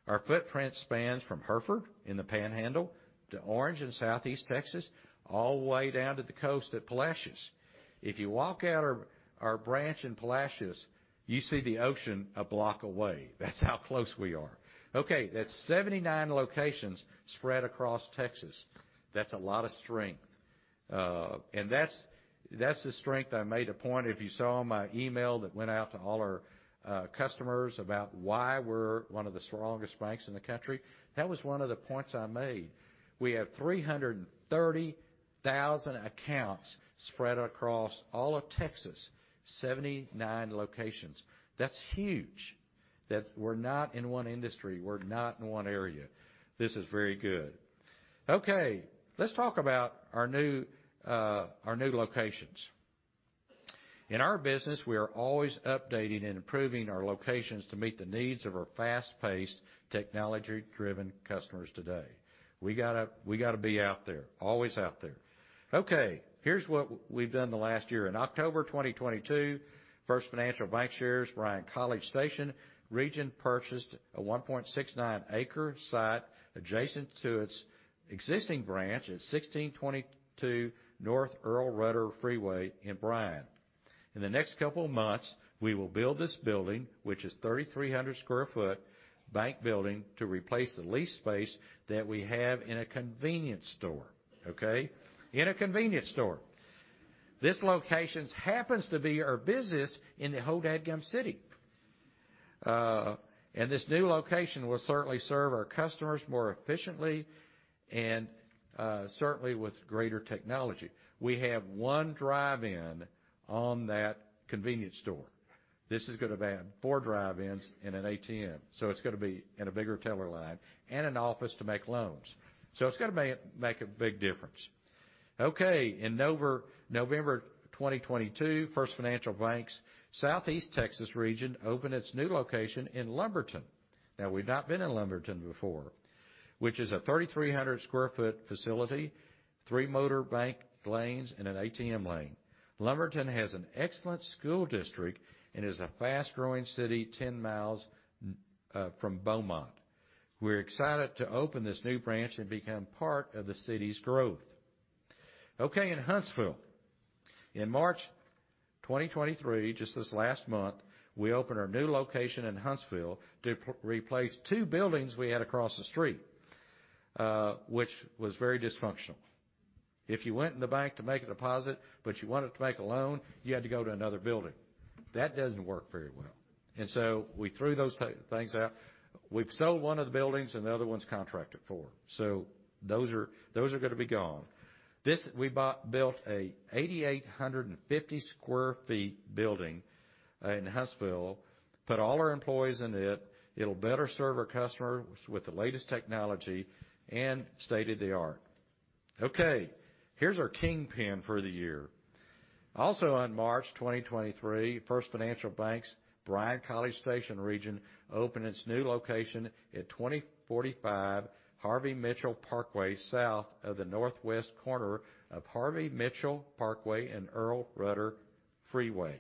Our footprint spans from Hereford in the Panhandle to Orange and Southeast Texas, all the way down to the coast at Palacios. If you walk out our branch in Palacios, you see the ocean a block away. That's how close we are. That's 79 locations spread across Texas. That's a lot of strength. That's the strength I made a point, if you saw my email that went out to all our customers about why we're one of the strongest banks in the country, that was one of the points I made. We have 330,000 accounts spread across all of Texas, 79 locations. That's huge. We're not in one industry. We're not in one area. This is very good. Let's talk about our new locations. In our business, we are always updating and improving our locations to meet the needs of our fast-paced, technology-driven customers today. We gotta be out there, always out there. Okay, here's what we've done in the last year. In October 2022, First Financial Bankshares, Bryan-College Station region purchased a 1.69 acre site adjacent to its existing branch at 1622 North Earl Rudder Freeway in Bryan. In the next couple of months, we will build this building, which is 3,300 sq ft bank building to replace the leased space that we have in a convenience store, okay? In a convenience store. This locations happens to be our busiest in the whole dadgum city. This new location will certainly serve our customers more efficiently and, certainly with greater technology. We have one drive-in on that convenience store. This is gonna have four drive-ins and an ATM, so it's gonna be and a bigger teller line and an office to make loans. It's gonna make a big difference. In November 2022, First Financial Bank's Southeast Texas region opened its new location in Lumberton. We've not been in Lumberton before, which is a 3,300 sq ft facility, three motor bank lanes, and an ATM lane. Lumberton has an excellent school district and is a fast-growing city 10 miles from Beaumont. We're excited to open this new branch and become part of the city's growth. In Huntsville. In March 2023, just this last month, we opened our new location in Huntsville to replace two buildings we had across the street, which was very dysfunctional. If you went in the bank to make a deposit, but you wanted to make a loan, you had to go to another building. That doesn't work very well. We threw those things out. We've sold one of the buildings and the other one's contracted for. Those are gonna be gone. This, we bought, built a 8,850 sq ft building in Huntsville, put all our employees in it. It'll better serve our customers with the latest technology and state-of-the-art. Okay, here's our kingpin for the year. Also, in March 2023, First Financial Bank's Bryan-College Station Region opened its new location at 2045 Harvey Mitchell Parkway, south of the northwest corner of Harvey Mitchell Parkway and Earl Rudder Freeway.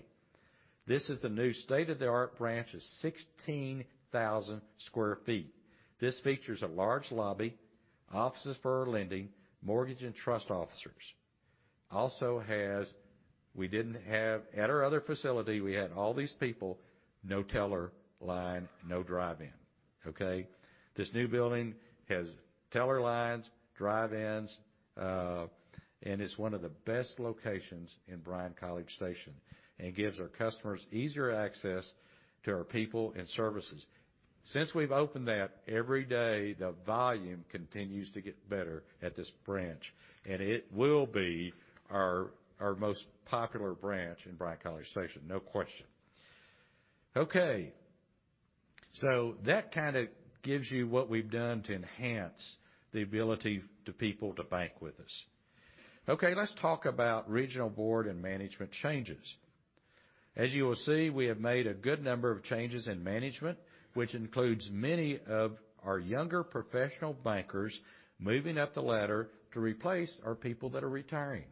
This is the new state-of-the-art branch of 16,000 sq ft. This features a large lobby, offices for our lending, mortgage, and trust officers. At our other facility, we had all these people, no teller line, no drive-in, okay. This new building has teller lines, drive-ins, and it's one of the best locations in Bryan-College Station and gives our customers easier access to our people and services. Since we've opened that, every day, the volume continues to get better at this branch, and it will be our most popular branch in Bryan-College Station, no question. That kinda gives you what we've done to enhance the ability to people to bank with us. Let's talk about regional board and management changes. As you will see, we have made a good number of changes in management, which includes many of our younger professional bankers moving up the ladder to replace our people that are retiring.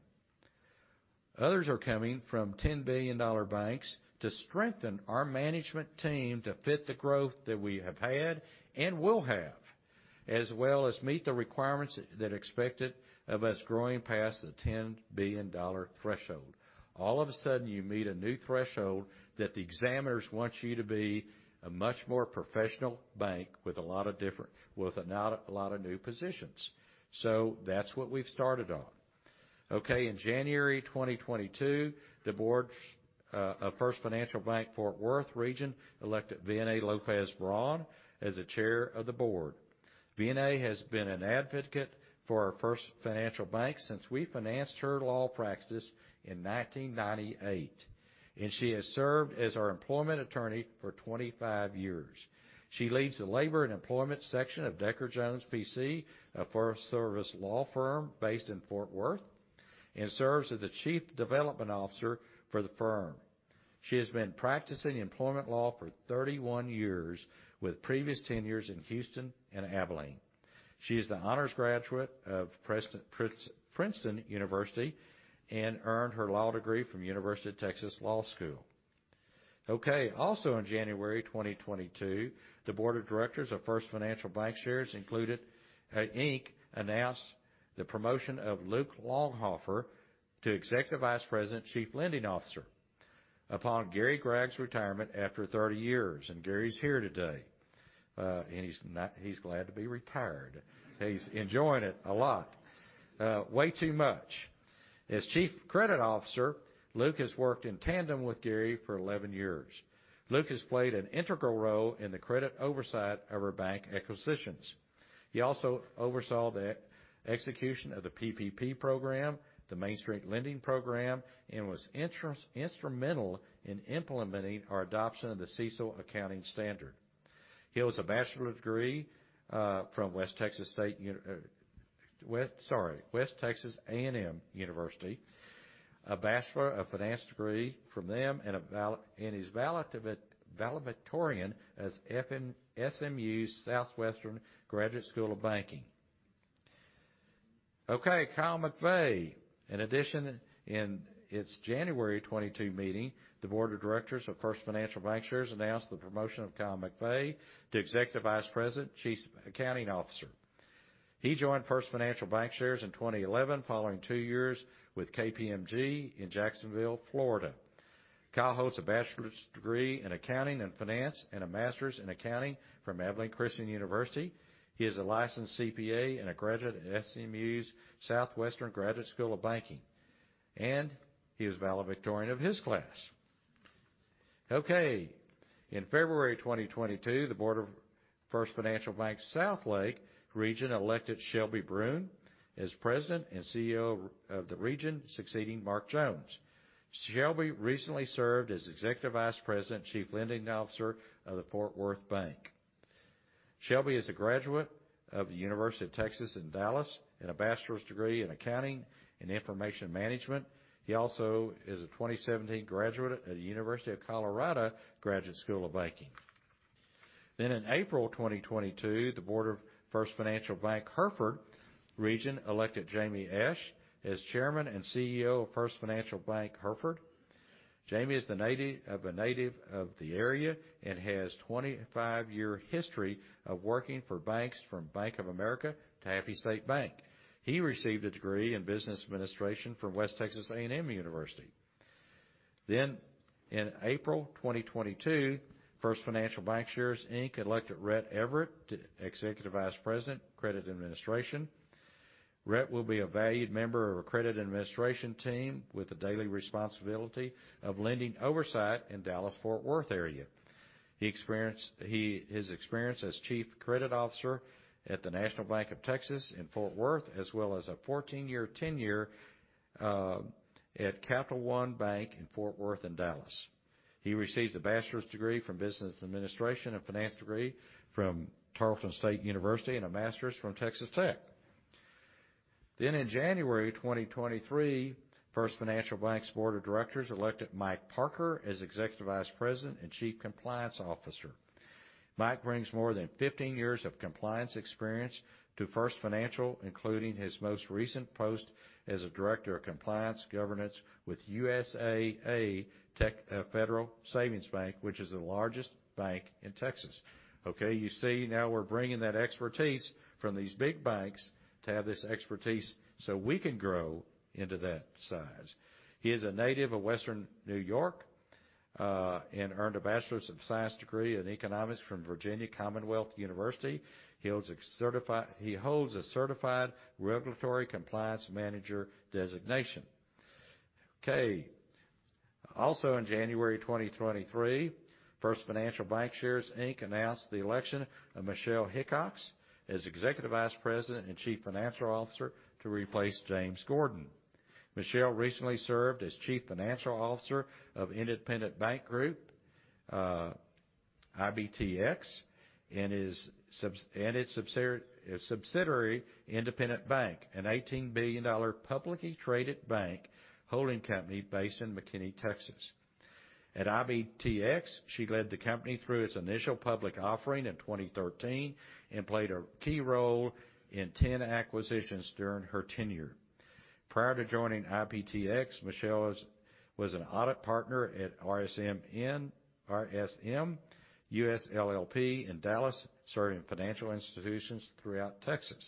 Others are coming from $10 billion banks to strengthen our management team to fit the growth that we have had and will have, as well as meet the requirements that are expected of us growing past the $10 billion threshold. All of a sudden, you meet a new threshold that the examiners want you to be a much more professional bank with a lot of new positions. That's what we've started on. In January 2022, the board of First Financial Bank, Fort Worth Region, elected Vianei Lopez Braun as the Chair of the Board. Vianei has been an advocate for our First Financial Bank since we financed her law practice in 1998, and she has served as our employment attorney for 25 years. She leads the labor and employment section of Decker Jones, P.C., a full-service law firm based in Fort Worth, and serves as the Chief Development Officer for the firm. She has been practicing employment law for 31 years, with previous tenures in Houston and Abilene. She is the honors graduate of Princeton University and earned her law degree from University of Texas School of Law. Okay, also in January 2022, the Board of Directors of First Financial Bankshares, Inc. announced the promotion of Luke Longhofer to Executive Vice President, Chief Lending Officer upon Gary Gragg's retirement after 30 years. Gary's here today, and he's glad to be retired. He's enjoying it a lot. Way too much. As Chief Credit Officer, Luke has worked in tandem with Gary for 11 years. Luke has played an integral role in the credit oversight of our bank acquisitions. He also oversaw the execution of the PPP program, the Main Street Lending Program, and was instrumental in implementing our adoption of the CECL accounting standard. He holds a bachelor's degree from West Texas A&M University. A Bachelor of Finance degree from them and is valedictorian as SMU Southwestern Graduate School of Banking. Kyle McVey. In its January 2022 meeting, the board of directors of First Financial Bankshares announced the promotion of Kyle McVey to Executive Vice President, Chief Accounting Officer. He joined First Financial Bankshares in 2011 following two years with KPMG in Jacksonville, Florida. Kyle holds a bachelor's degree in accounting and finance and a master's in accounting from Abilene Christian University. He is a licensed CPA and a graduate of SMU's Southwestern Graduate School of Banking, and he was valedictorian of his class. In February 2022, the board of First Financial Bank Southlake region elected Shelby Bruhn as President and CEO of the region, succeeding Mark Jones. Shelby recently served as Executive Vice President, Chief Lending Officer of the Fort Worth bank. Shelby is a graduate of The University of Texas at Dallas and a bachelor's degree in accounting and information management. He also is a 2017 graduate of the Graduate School of Banking at Colorado. In April 2022, the board of First Financial Bank Hereford region elected Jamie Esch as Chairman and CEO of First Financial Bank Hereford. Jamie is a native of the area and has 25 year history of working for banks from Bank of America to Happy State Bank. He received a degree in business administration from West Texas A&M University. In April 2022, First Financial Bankshares, Inc. elected Rhett Everett to Executive Vice President, Credit Administration. Rhett will be a valued member of our credit administration team with the daily responsibility of lending oversight in Dallas-Fort Worth area. His experience as chief credit officer at The National Bank of Texas in Fort Worth, as well as a 14-year tenure at Capital One Bank in Fort Worth and Dallas. He received a bachelor's degree from business administration and finance degree from Tarleton State University and a master's from Texas Tech. In January 2023, First Financial Bank's Board of Directors elected Mike Parker as Executive Vice President and Chief Compliance Officer. Mike brings more than 15 years of compliance experience to First Financial, including his most recent post as a director of compliance governance with USAA Federal Savings Bank, which is the largest bank in Texas. Okay, you see now we're bringing that expertise from these big banks to have this expertise so we can grow into that size. He is a native of Western New York and earned a Bachelor of Science degree in Economics from Virginia Commonwealth University. He holds a Certified Regulatory Compliance Manager designation. Okay. Also in January 2023, First Financial Bankshares, Inc. announced the election of Michelle Hickox as Executive Vice President and Chief Financial Officer to replace James Gordon. Michelle recently served as Chief Financial Officer of Independent Bank Group, IBTX and its subsidiary Independent Bank, an $18 billion publicly traded bank holding company based in McKinney, Texas. At IBTX, she led the company through its initial public offering in 2013 and played a key role in 10 acquisitions during her tenure. Prior to joining IBTX, Michelle was an audit partner at RSM US LLP in Dallas, serving financial institutions throughout Texas.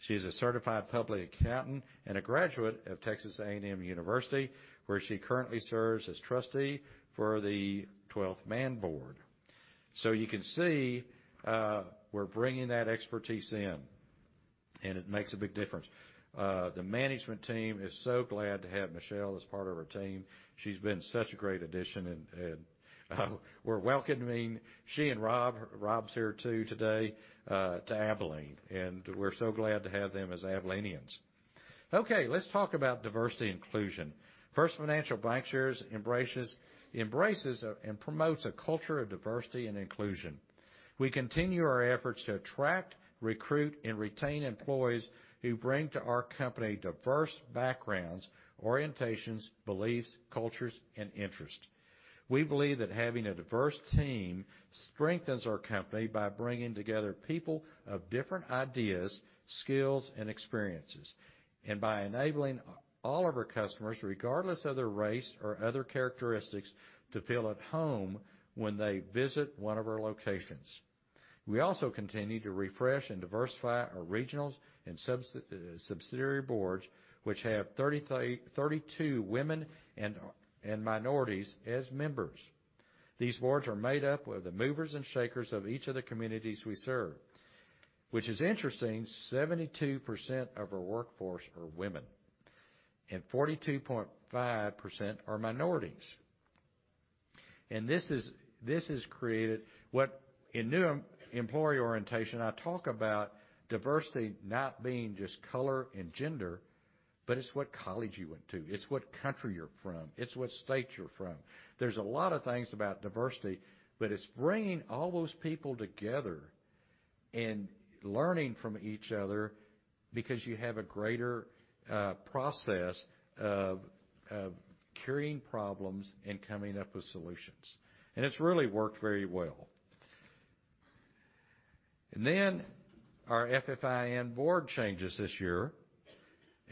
She's a certified public accountant and a graduate of Texas A&M University, where she currently serves as trustee for the 12th Man Board. You can see, we're bringing that expertise in, and it makes a big difference. The management team is so glad to have Michelle as part of our team. She's been such a great addition, and we're welcoming she and Rob's here too today, to Abilene, and we're so glad to have them as Abilenians. Let's talk about diversity inclusion. First Financial Bankshares embraces and promotes a culture of diversity and inclusion. We continue our efforts to attract, recruit, and retain employees who bring to our company diverse backgrounds, orientations, beliefs, cultures, and interests. We believe that having a diverse team strengthens our company by bringing together people of different ideas, skills, and experiences, and by enabling all of our customers, regardless of their race or other characteristics, to feel at home when they visit one of our locations. We also continue to refresh and diversify our regionals and subsidiary boards, which have 32 women and minorities as members. These boards are made up of the movers and shakers of each of the communities we serve. Which is interesting, 72% of our workforce are women and 42.5% are minorities. This has created what... In new employee orientation, I talk about diversity not being just color and gender, but it's what college you went to. It's what country you're from. It's what state you're from. There's a lot of things about diversity, but it's bringing all those people together and learning from each other because you have a greater process of carrying problems and coming up with solutions. It's really worked very well. Our FFIN board changes this year.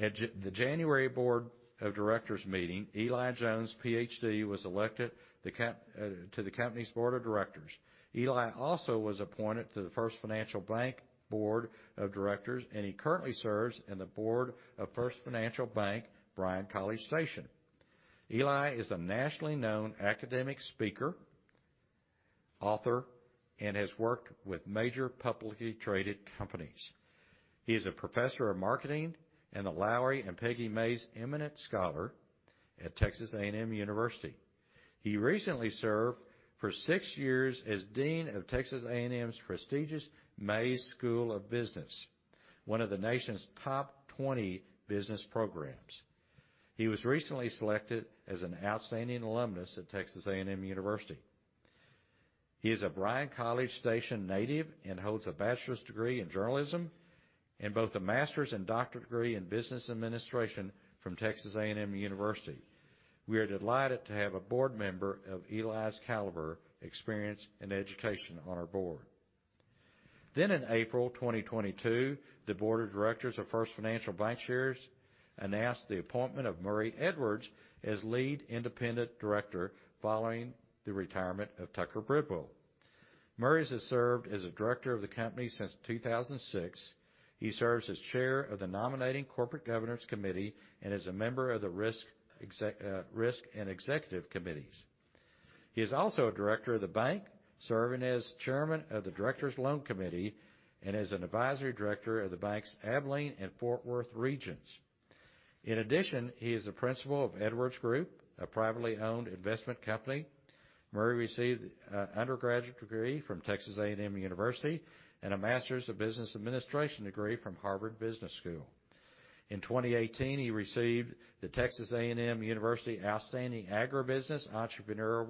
At the January Board of Directors meeting, Eli Jones, PhD, was elected to the company's Board of Directors. Eli also was appointed to the First Financial Bank Board of Directors, and he currently serves in the board of First Financial Bank, Bryan-College Station. Eli is a nationally known academic speaker, author, and has worked with major publicly traded companies. He is a professor of marketing and a Lowry and Peggy Mays Eminent Scholar at Texas A&M University. He recently served for six years as dean of Texas A&M's prestigious Mays School of Business, one of the nation's top 20 business programs. He was recently selected as an outstanding alumnus at Texas A&M University. He is a Bryan-College Station native and holds a bachelor's degree in journalism and both a master's and doctorate degree in business administration from Texas A&M University. We are delighted to have a board member of Eli's caliber, experience, and education on our board. In April 2022, the board of directors of First Financial Bankshares announced the appointment of Murray Edwards as lead independent director following the retirement of Tucker Bridwell. Murray has served as a director of the company since 2006. He serves as chair of the Nominating Corporate Governance Committee and is a member of the Risk and Executive Committees. He is also a director of the bank, serving as chairman of the Directors Loan Committee and is an advisory director of the bank's Abilene and Fort Worth regions. In addition, he is the principal of Edwards Group, a privately owned investment company. Murray received an undergraduate degree from Texas A&M University and a Master's of Business Administration degree from Harvard Business School. In 2018, he received the Texas A&M University Outstanding Agribusiness Entrepreneur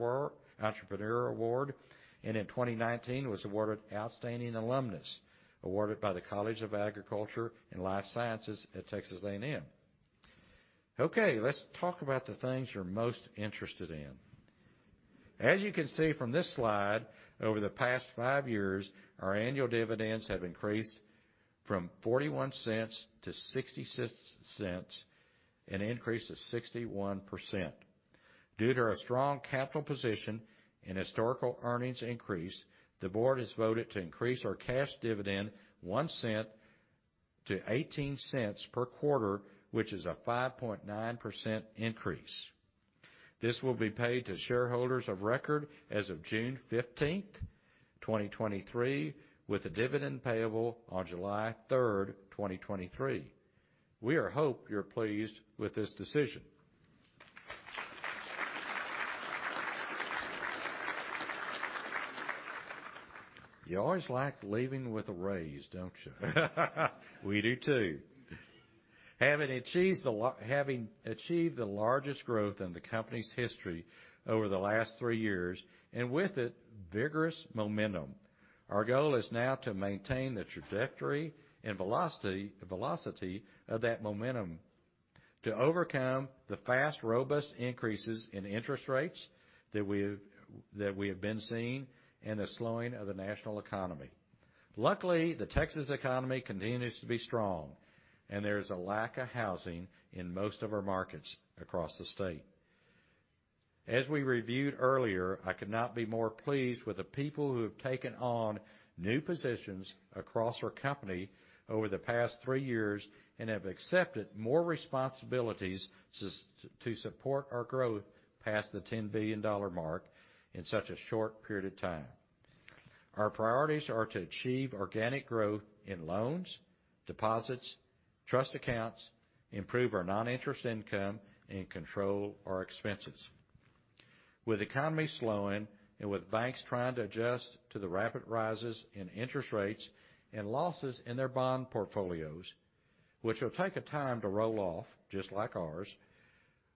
Award, and in 2019 was awarded Outstanding Alumnus, awarded by the College of Agriculture and Life Sciences at Texas A&M. Okay, let's talk about the things you're most interested in. As you can see from this slide, over the past 5 years, our annual dividends have increased from $0.41 to $0.66, an increase of 61%. Due to our strong capital position and historical earnings increase, the board has voted to increase our cash dividend $0.01 to $0.18 per quarter, which is a 5.9% increase. This will be paid to shareholders of record as of June 15, 2023, with the dividend payable on July 3rd, 2023. We hope you're pleased with this decision. You always like leaving with a raise, don't you? We do too. Having achieved the largest growth in the company's history over the last three years, with it, vigorous momentum, our goal is now to maintain the trajectory and velocity of that momentum to overcome the fast, robust increases in interest rates that we have been seeing and the slowing of the national economy. Luckily, the Texas economy continues to be strong, and there is a lack of housing in most of our markets across the state. As we reviewed earlier, I could not be more pleased with the people who have taken on new positions across our company over the past three years and have accepted more responsibilities to support our growth past the $10 billion mark in such a short period of time. Our priorities are to achieve organic growth in loans, deposits, trust accounts, improve our non-interest income, and control our expenses. With the economy slowing and with banks trying to adjust to the rapid rises in interest rates and losses in their bond portfolios, which will take a time to roll off just like ours,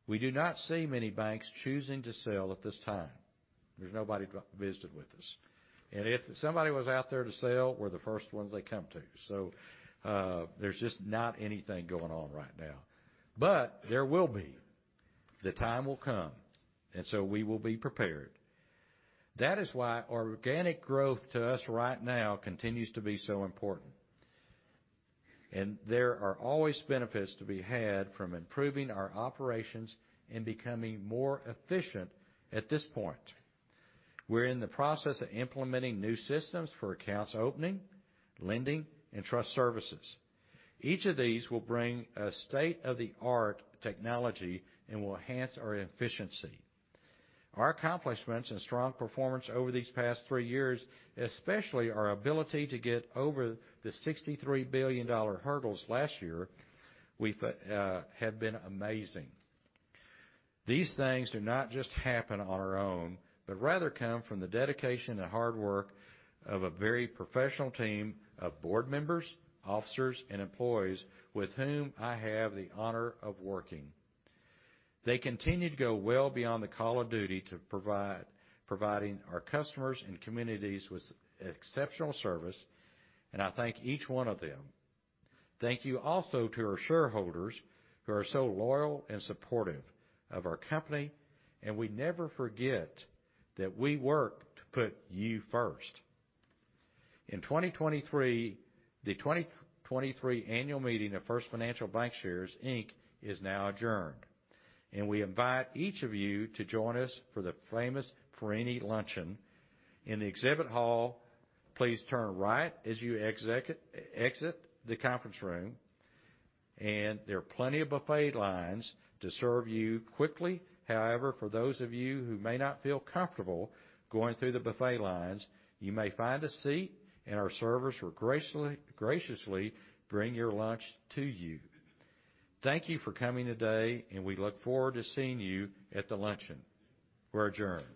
we do not see many banks choosing to sell at this time. There's nobody to visited with us. If somebody was out there to sell, we're the first ones they come to. There's just not anything going on right now. There will be. The time will come, and so we will be prepared. That is why organic growth to us right now continues to be so important, and there are always benefits to be had from improving our operations and becoming more efficient at this point. We're in the process of implementing new systems for accounts opening, lending, and trust services. Each of these will bring a state-of-the-art technology and will enhance our efficiency. Our accomplishments and strong performance over these past three years, especially our ability to get over the $63 billion hurdles last year, have been amazing. These things do not just happen on our own, rather come from the dedication and hard work of a very professional team of board members, officers, and employees with whom I have the honor of working. They continue to go well beyond the call of duty providing our customers and communities with exceptional service, I thank each one of them. Thank you also to our shareholders who are so loyal and supportive of our company, we never forget that we work to put you first. In 2023, the 2023 annual meeting of First Financial Bankshares, Inc. is now adjourned, and we invite each of you to join us for the famous Perini's luncheon in the exhibit hall. Please turn right as you exit the conference room, and there are plenty of buffet lines to serve you quickly. However, for those of you who may not feel comfortable going through the buffet lines, you may find a seat, and our servers will graciously bring your lunch to you. Thank you for coming today, and we look forward to seeing you at the luncheon. We're adjourned.